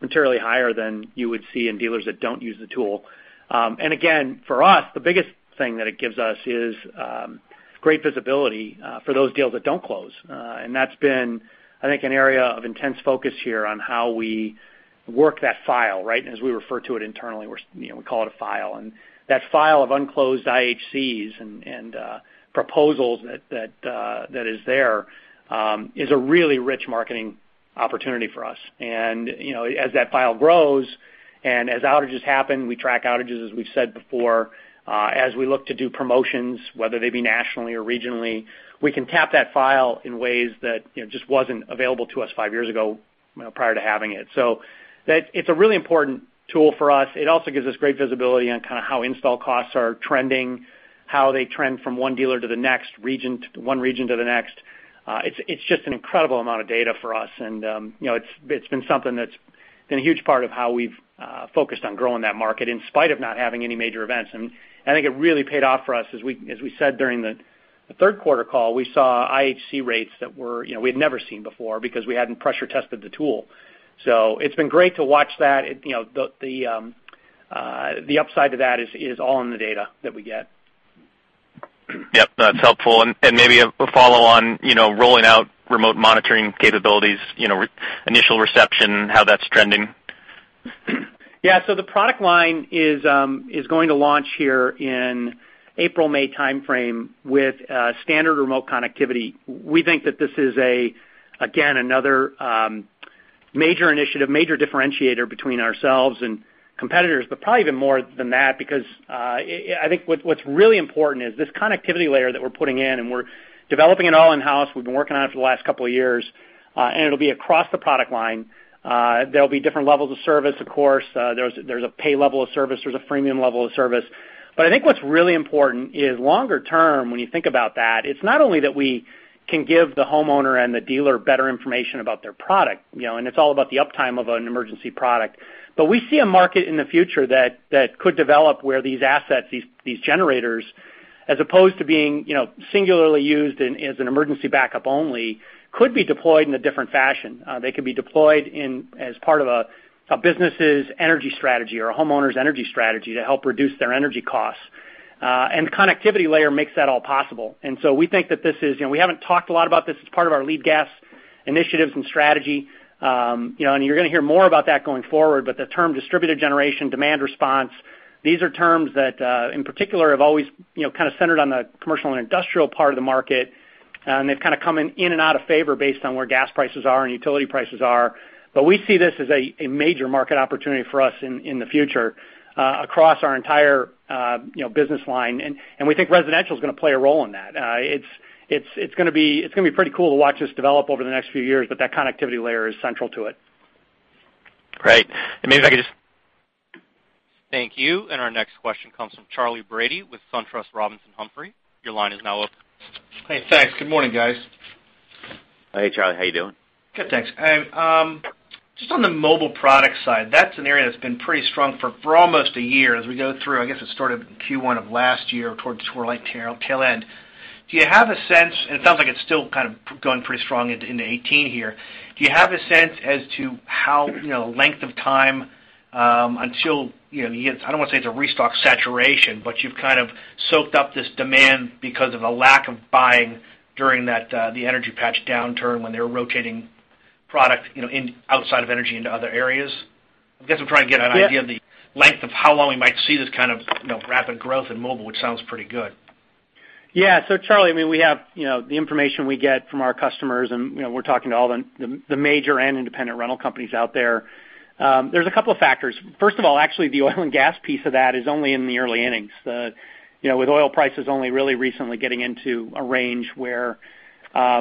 materially higher than you would see in dealers that don't use the tool. Again, for us, the biggest thing that it gives us is great visibility for those deals that don't close. That's been, I think, an area of intense focus here on how we work that file, right? As we refer to it internally, we call it a file. That file of unclosed IHCs and proposals that is there is a really rich marketing opportunity for us. As that file grows and as outages happen, we track outages, as we've said before, as we look to do promotions, whether they be nationally or regionally, we can tap that file in ways that just wasn't available to us five years ago prior to having it. It's a really important tool for us. It also gives us great visibility on kind of how install costs are trending, how they trend from one dealer to the next, one region to the next. It's just an incredible amount of data for us, and it's been something that's been a huge part of how we've focused on growing that market in spite of not having any major events. I think it really paid off for us. As we said during the third quarter call, we saw IHC rates that we had never seen before because we hadn't pressure tested the tool. It's been great to watch that. The upside to that is all in the data that we get. Yep, that's helpful. Maybe a follow-on, rolling out remote monitoring capabilities, initial reception, how that's trending? Yeah. The product line is going to launch here in April, May timeframe with standard remote connectivity. We think that this is, again, another major initiative, major differentiator between ourselves and competitors, but probably even more than that, because I think what's really important is this connectivity layer that we're putting in, and we're developing it all in-house. We've been working on it for the last couple of years, and it'll be across the product line. There'll be different levels of service, of course. There's a pay level of service, there's a freemium level of service. I think what's really important is longer term, when you think about that, it's not only that we can give the homeowner and the dealer better information about their product. It's all about the uptime of an emergency product. We see a market in the future that could develop where these assets, these generators, as opposed to being singularly used as an emergency backup only, could be deployed in a different fashion. They could be deployed as part of a business's energy strategy or a homeowner's energy strategy to help reduce their energy costs. The connectivity layer makes that all possible. We think that we haven't talked a lot about this as part of our gas initiatives and strategy. You're going to hear more about that going forward, but the term distributed generation, demand response, these are terms that, in particular, have always centered on the commercial and industrial part of the market, and they've kind of come in and out of favor based on where gas prices are and utility prices are. We see this as a major market opportunity for us in the future, across our entire business line, and we think residential is going to play a role in that. It's going to be pretty cool to watch this develop over the next few years, but that connectivity layer is central to it. Great. Thank you. Our next question comes from Charley Brady with SunTrust Robinson Humphrey. Your line is now open. Hey, thanks. Good morning, guys. Hey, Charley. How you doing? Good, thanks. Just on the mobile product side, that's an area that's been pretty strong for almost a year as we go through, I guess it started in Q1 of last year towards the sort of tail end. Do you have a sense, it sounds like it's still kind of going pretty strong into 2018 here. Do you have a sense as to how length of time until, I don't want to say it's a restock saturation, but you've kind of soaked up this demand because of a lack of buying during the energy patch downturn when they were rotating product outside of energy into other areas? I guess I'm trying to get an idea of the length of how long we might see this kind of rapid growth in mobile, which sounds pretty good. Yeah. Charley, the information we get from our customers, and we're talking to all the major and independent rental companies out there. There's a couple of factors. First of all, actually, the oil and gas piece of that is only in the early innings. With oil prices only really recently getting into a range where oil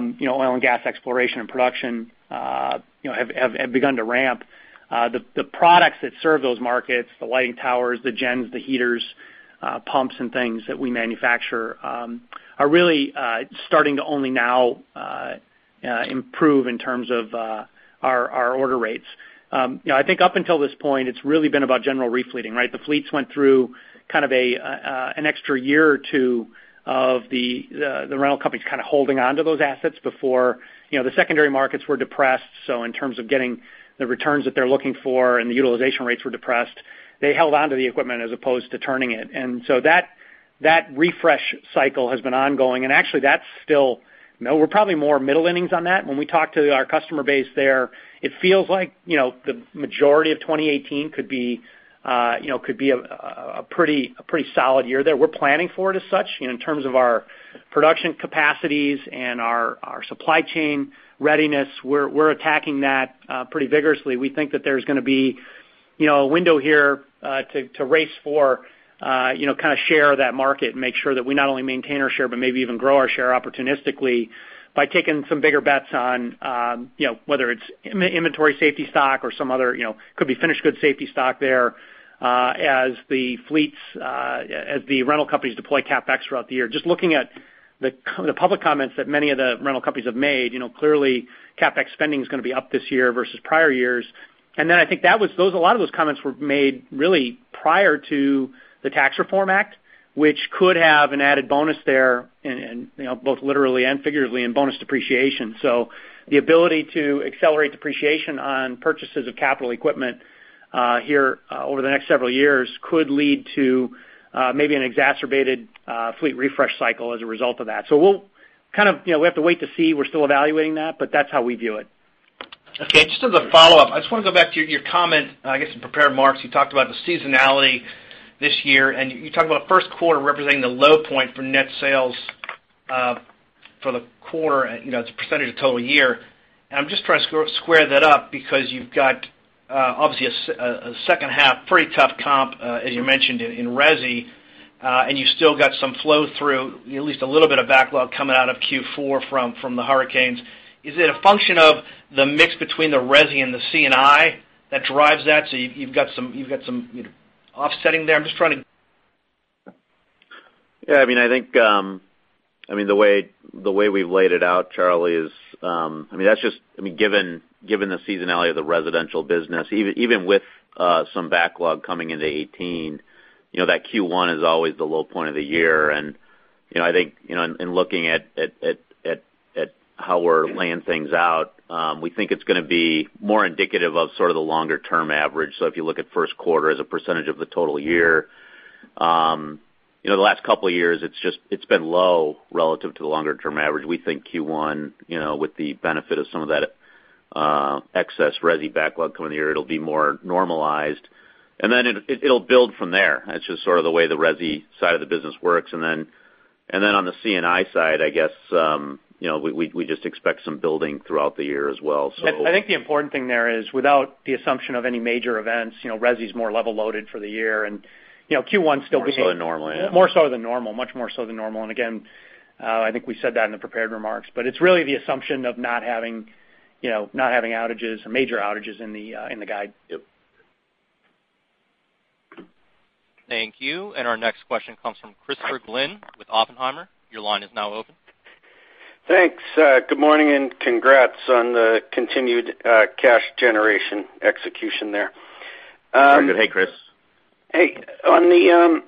and gas exploration and production have begun to ramp. The products that serve those markets, the lighting towers, the gens, the heaters, pumps and things that we manufacture, are really starting to only now improve in terms of our order rates. I think up until this point, it's really been about general refleeting, right? The fleets went through kind of an extra year or two of the rental companies kind of holding onto those assets before the secondary markets were depressed. In terms of getting the returns that they're looking for and the utilization rates were depressed, they held onto the equipment as opposed to turning it. That refresh cycle has been ongoing, and actually that's still, we're probably more middle innings on that. When we talk to our customer base there, it feels like the majority of 2018 could be a pretty solid year there. We're planning for it as such in terms of our production capacities and our supply chain readiness. We're attacking that pretty vigorously. We think that there's going to be a window here to race for, kind of share that market and make sure that we not only maintain our share, but maybe even grow our share opportunistically by taking some bigger bets on whether it's inventory safety stock or some other, could be finished goods safety stock there, as the rental companies deploy CapEx throughout the year. Just looking at the public comments that many of the rental companies have made, clearly CapEx spending is going to be up this year versus prior years. I think a lot of those comments were made really prior to the Tax Reform Act, which could have an added bonus there, both literally and figuratively, in bonus depreciation. The ability to accelerate depreciation on purchases of capital equipment here over the next several years could lead to maybe an exacerbated fleet refresh cycle as a result of that. We have to wait to see. We're still evaluating that, but that's how we view it. Just as a follow-up, I just want to go back to your comment, I guess, in prepared remarks. You talked about the seasonality this year, and you talked about first quarter representing the low point for net sales for the quarter as a percentage of total year. I'm just trying to square that up because you've got, obviously, a second half, pretty tough comp, as you mentioned in Resi, and you've still got some flow-through, at least a little bit of backlog coming out of Q4 from the hurricanes. Is it a function of the mix between the Resi and the C&I that drives that, so you've got some offsetting there? I think the way we've laid it out, Charley, is given the seasonality of the residential business, even with some backlog coming into 2018, that Q1 is always the low point of the year. I think in looking at how we're laying things out, we think it's going to be more indicative of sort of the longer term average. If you look at first quarter as a percentage of the total year In the last couple of years, it's been low relative to the longer-term average. We think Q1, with the benefit of some of that excess Resi backlog coming in the year, it'll be more normalized. Then it'll build from there. That's just sort of the way the Resi side of the business works. Then on the C&I side, I guess, we just expect some building throughout the year as well. I think the important thing there is, without the assumption of any major events, Resi is more level-loaded for the year, and Q1 still being More so than normal, yeah. More so than normal. Much more so than normal. Again, I think we said that in the prepared remarks, but it's really the assumption of not having outages or major outages in the guide. Yep. Thank you. Our next question comes from Christopher Glynn with Oppenheimer. Your line is now open. Thanks. Good morning. Congrats on the continued cash generation execution there. Very good. Hey, Chris.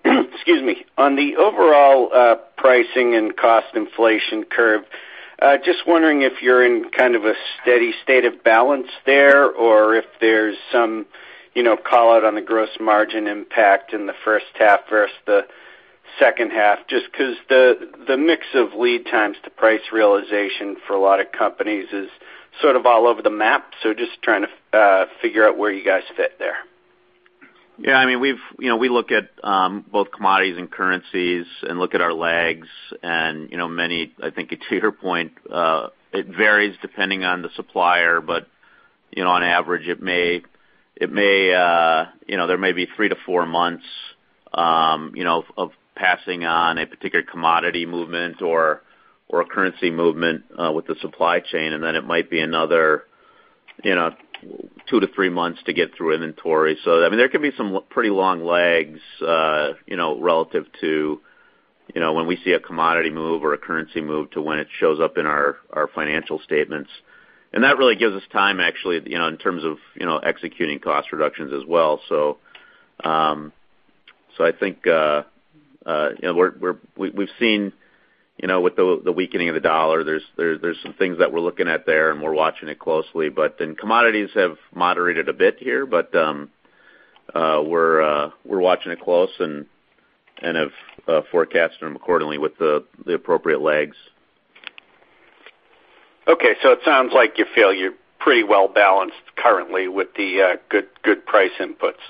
Hey. Excuse me. On the overall pricing and cost inflation curve, just wondering if you're in kind of a steady state of balance there or if there's some call out on the gross margin impact in the first half versus the second half, just because the mix of lead times to price realization for a lot of companies is sort of all over the map. Just trying to figure out where you guys fit there. Yeah, we look at both commodities and currencies and look at our lags and many, I think to your point, it varies depending on the supplier, but on average there may be three-four months of passing on a particular commodity movement or a currency movement with the supply chain, and then it might be another two-three months to get through inventory. There can be some pretty long lags relative to when we see a commodity move or a currency move to when it shows up in our financial statements. That really gives us time, actually, in terms of executing cost reductions as well. I think we've seen with the weakening of the dollar, there's some things that we're looking at there, and we're watching it closely. Commodities have moderated a bit here, but we're watching it close and have forecasted them accordingly with the appropriate lags. It sounds like you feel you're pretty well-balanced currently with the good price inputs.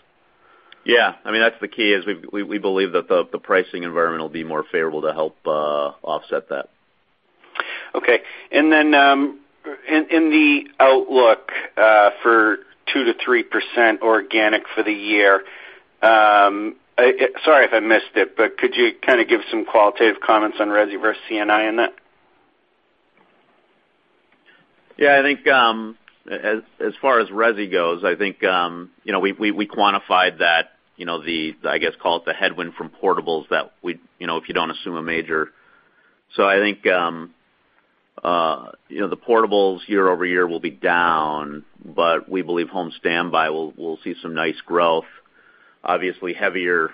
That's the key, is we believe that the pricing environment will be more favorable to help offset that. In the outlook for 2%-3% organic for the year, sorry if I missed it, but could you kind of give some qualitative comments on Resi versus C&I in that? I think as far as Resi goes, I think we quantified that, I guess, call it the headwind from portables that if you don't assume a major. I think the portables year-over-year will be down, but we believe home standby will see some nice growth, obviously heavier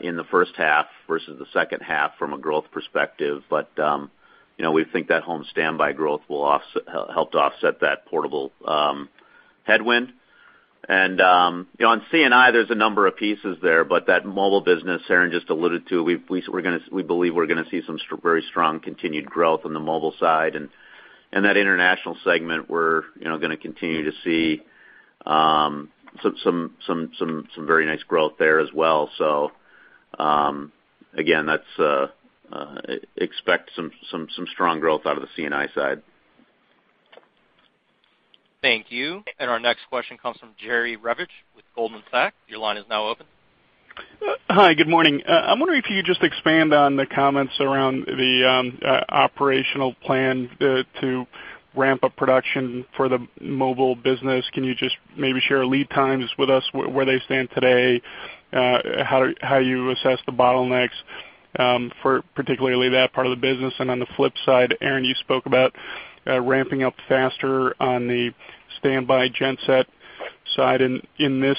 in the first half versus the second half from a growth perspective. We think that home standby growth will help to offset that portable headwind. On C&I, there's a number of pieces there, but that mobile business Aaron just alluded to, we believe we're going to see some very strong continued growth on the mobile side. That international segment we're going to continue to see some very nice growth there as well. Again, expect some strong growth out of the C&I side. Thank you. Our next question comes from Jerry Revich with Goldman Sachs. Your line is now open. Hi. Good morning. I'm wondering if you could just expand on the comments around the operational plan to ramp up production for the mobile business. Can you just maybe share lead times with us, where they stand today, how you assess the bottlenecks for particularly that part of the business? On the flip side, Aaron, you spoke about ramping up faster on the standby genset side in this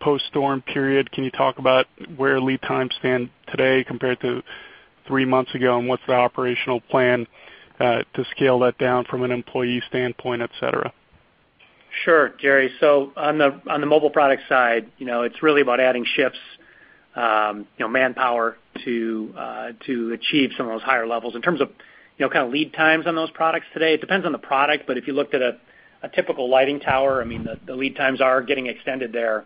post-storm period. Can you talk about where lead times stand today compared to three months ago, and what's the operational plan to scale that down from an employee standpoint, et cetera? Sure, Jerry. On the mobile product side, it's really about adding shifts, manpower to achieve some of those higher levels. In terms of kind of lead times on those products today, it depends on the product, but if you looked at a typical lighting tower, the lead times are getting extended there,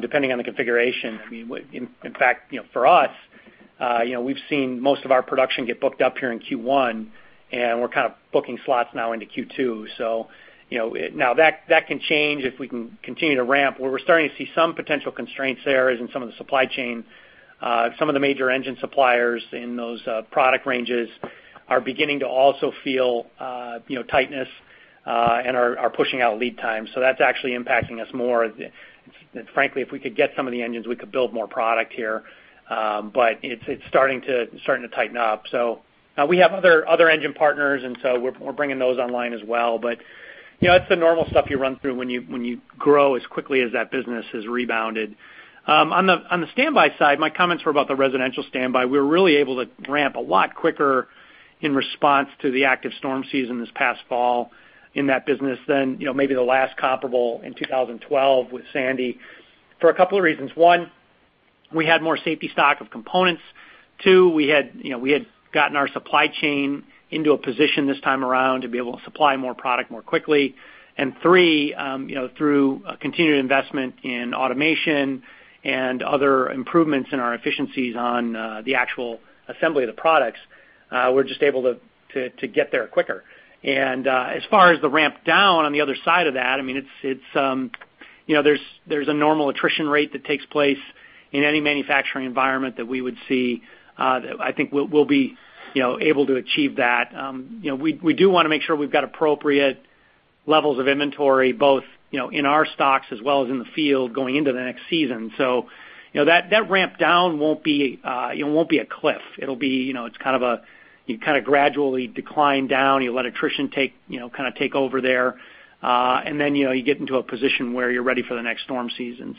depending on the configuration. In fact, for us, we've seen most of our production get booked up here in Q1, and we're kind of booking slots now into Q2. Now that can change if we can continue to ramp. Where we're starting to see some potential constraints there is in some of the supply chain. Some of the major engine suppliers in those product ranges are beginning to also feel tightness and are pushing out lead times. That's actually impacting us more. Frankly, if we could get some of the engines, we could build more product here. It's starting to tighten up. Now we have other engine partners, we're bringing those online as well. It's the normal stuff you run through when you grow as quickly as that business has rebounded. On the standby side, my comments were about the residential standby. We were really able to ramp a lot quicker in response to the active storm season this past fall in that business than maybe the last comparable in 2012 with Sandy, for a couple of reasons. One, we had more safety stock of components. Two, we had gotten our supply chain into a position this time around to be able to supply more product more quickly. Three, through a continued investment in automation and other improvements in our efficiencies on the actual assembly of the products, we're just able to get there quicker. As far as the ramp down on the other side of that, there's a normal attrition rate that takes place in any manufacturing environment that we would see. I think we'll be able to achieve that. We do want to make sure we've got appropriate levels of inventory, both in our stocks as well as in the field going into the next season. That ramp down won't be a cliff. It's you kind of gradually decline down. You let attrition kind of take over there. Then you get into a position where you're ready for the next storm season.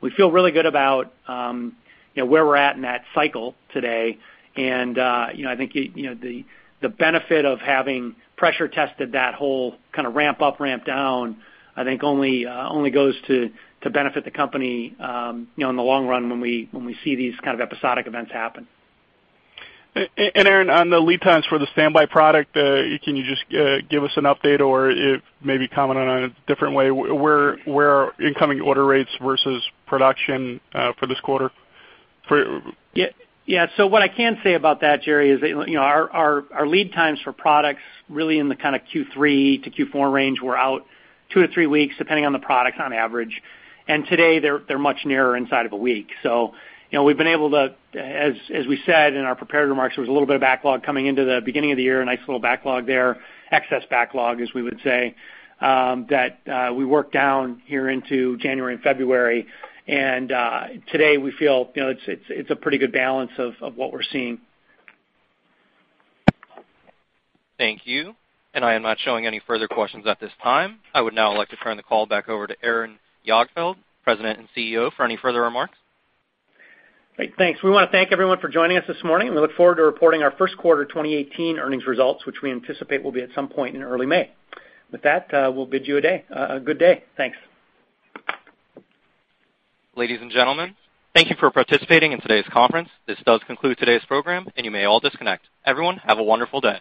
We feel really good about where we're at in that cycle today. I think the benefit of having pressure tested that whole kind of ramp up, ramp down, I think only goes to benefit the company in the long run when we see these kind of episodic events happen. Aaron, on the lead times for the standby product, can you just give us an update or maybe comment on a different way where incoming order rates versus production for this quarter? What I can say about that, Jerry, is our lead times for products really in the kind of Q3 to Q4 range were out two to three weeks, depending on the product on average. Today, they're much nearer inside of a week. We've been able to, as we said in our prepared remarks, there was a little bit of backlog coming into the beginning of the year, a nice little backlog there, excess backlog, as we would say, that we worked down here into January and February. Today we feel it's a pretty good balance of what we're seeing. Thank you. I am not showing any further questions at this time. I would now like to turn the call back over to Aaron Jagdfeld, president and CEO, for any further remarks. Great. Thanks. We want to thank everyone for joining us this morning. We look forward to reporting our first quarter 2018 earnings results, which we anticipate will be at some point in early May. With that, we'll bid you a good day. Thanks. Ladies and gentlemen, thank you for participating in today's conference. This does conclude today's program, and you may all disconnect. Everyone, have a wonderful day.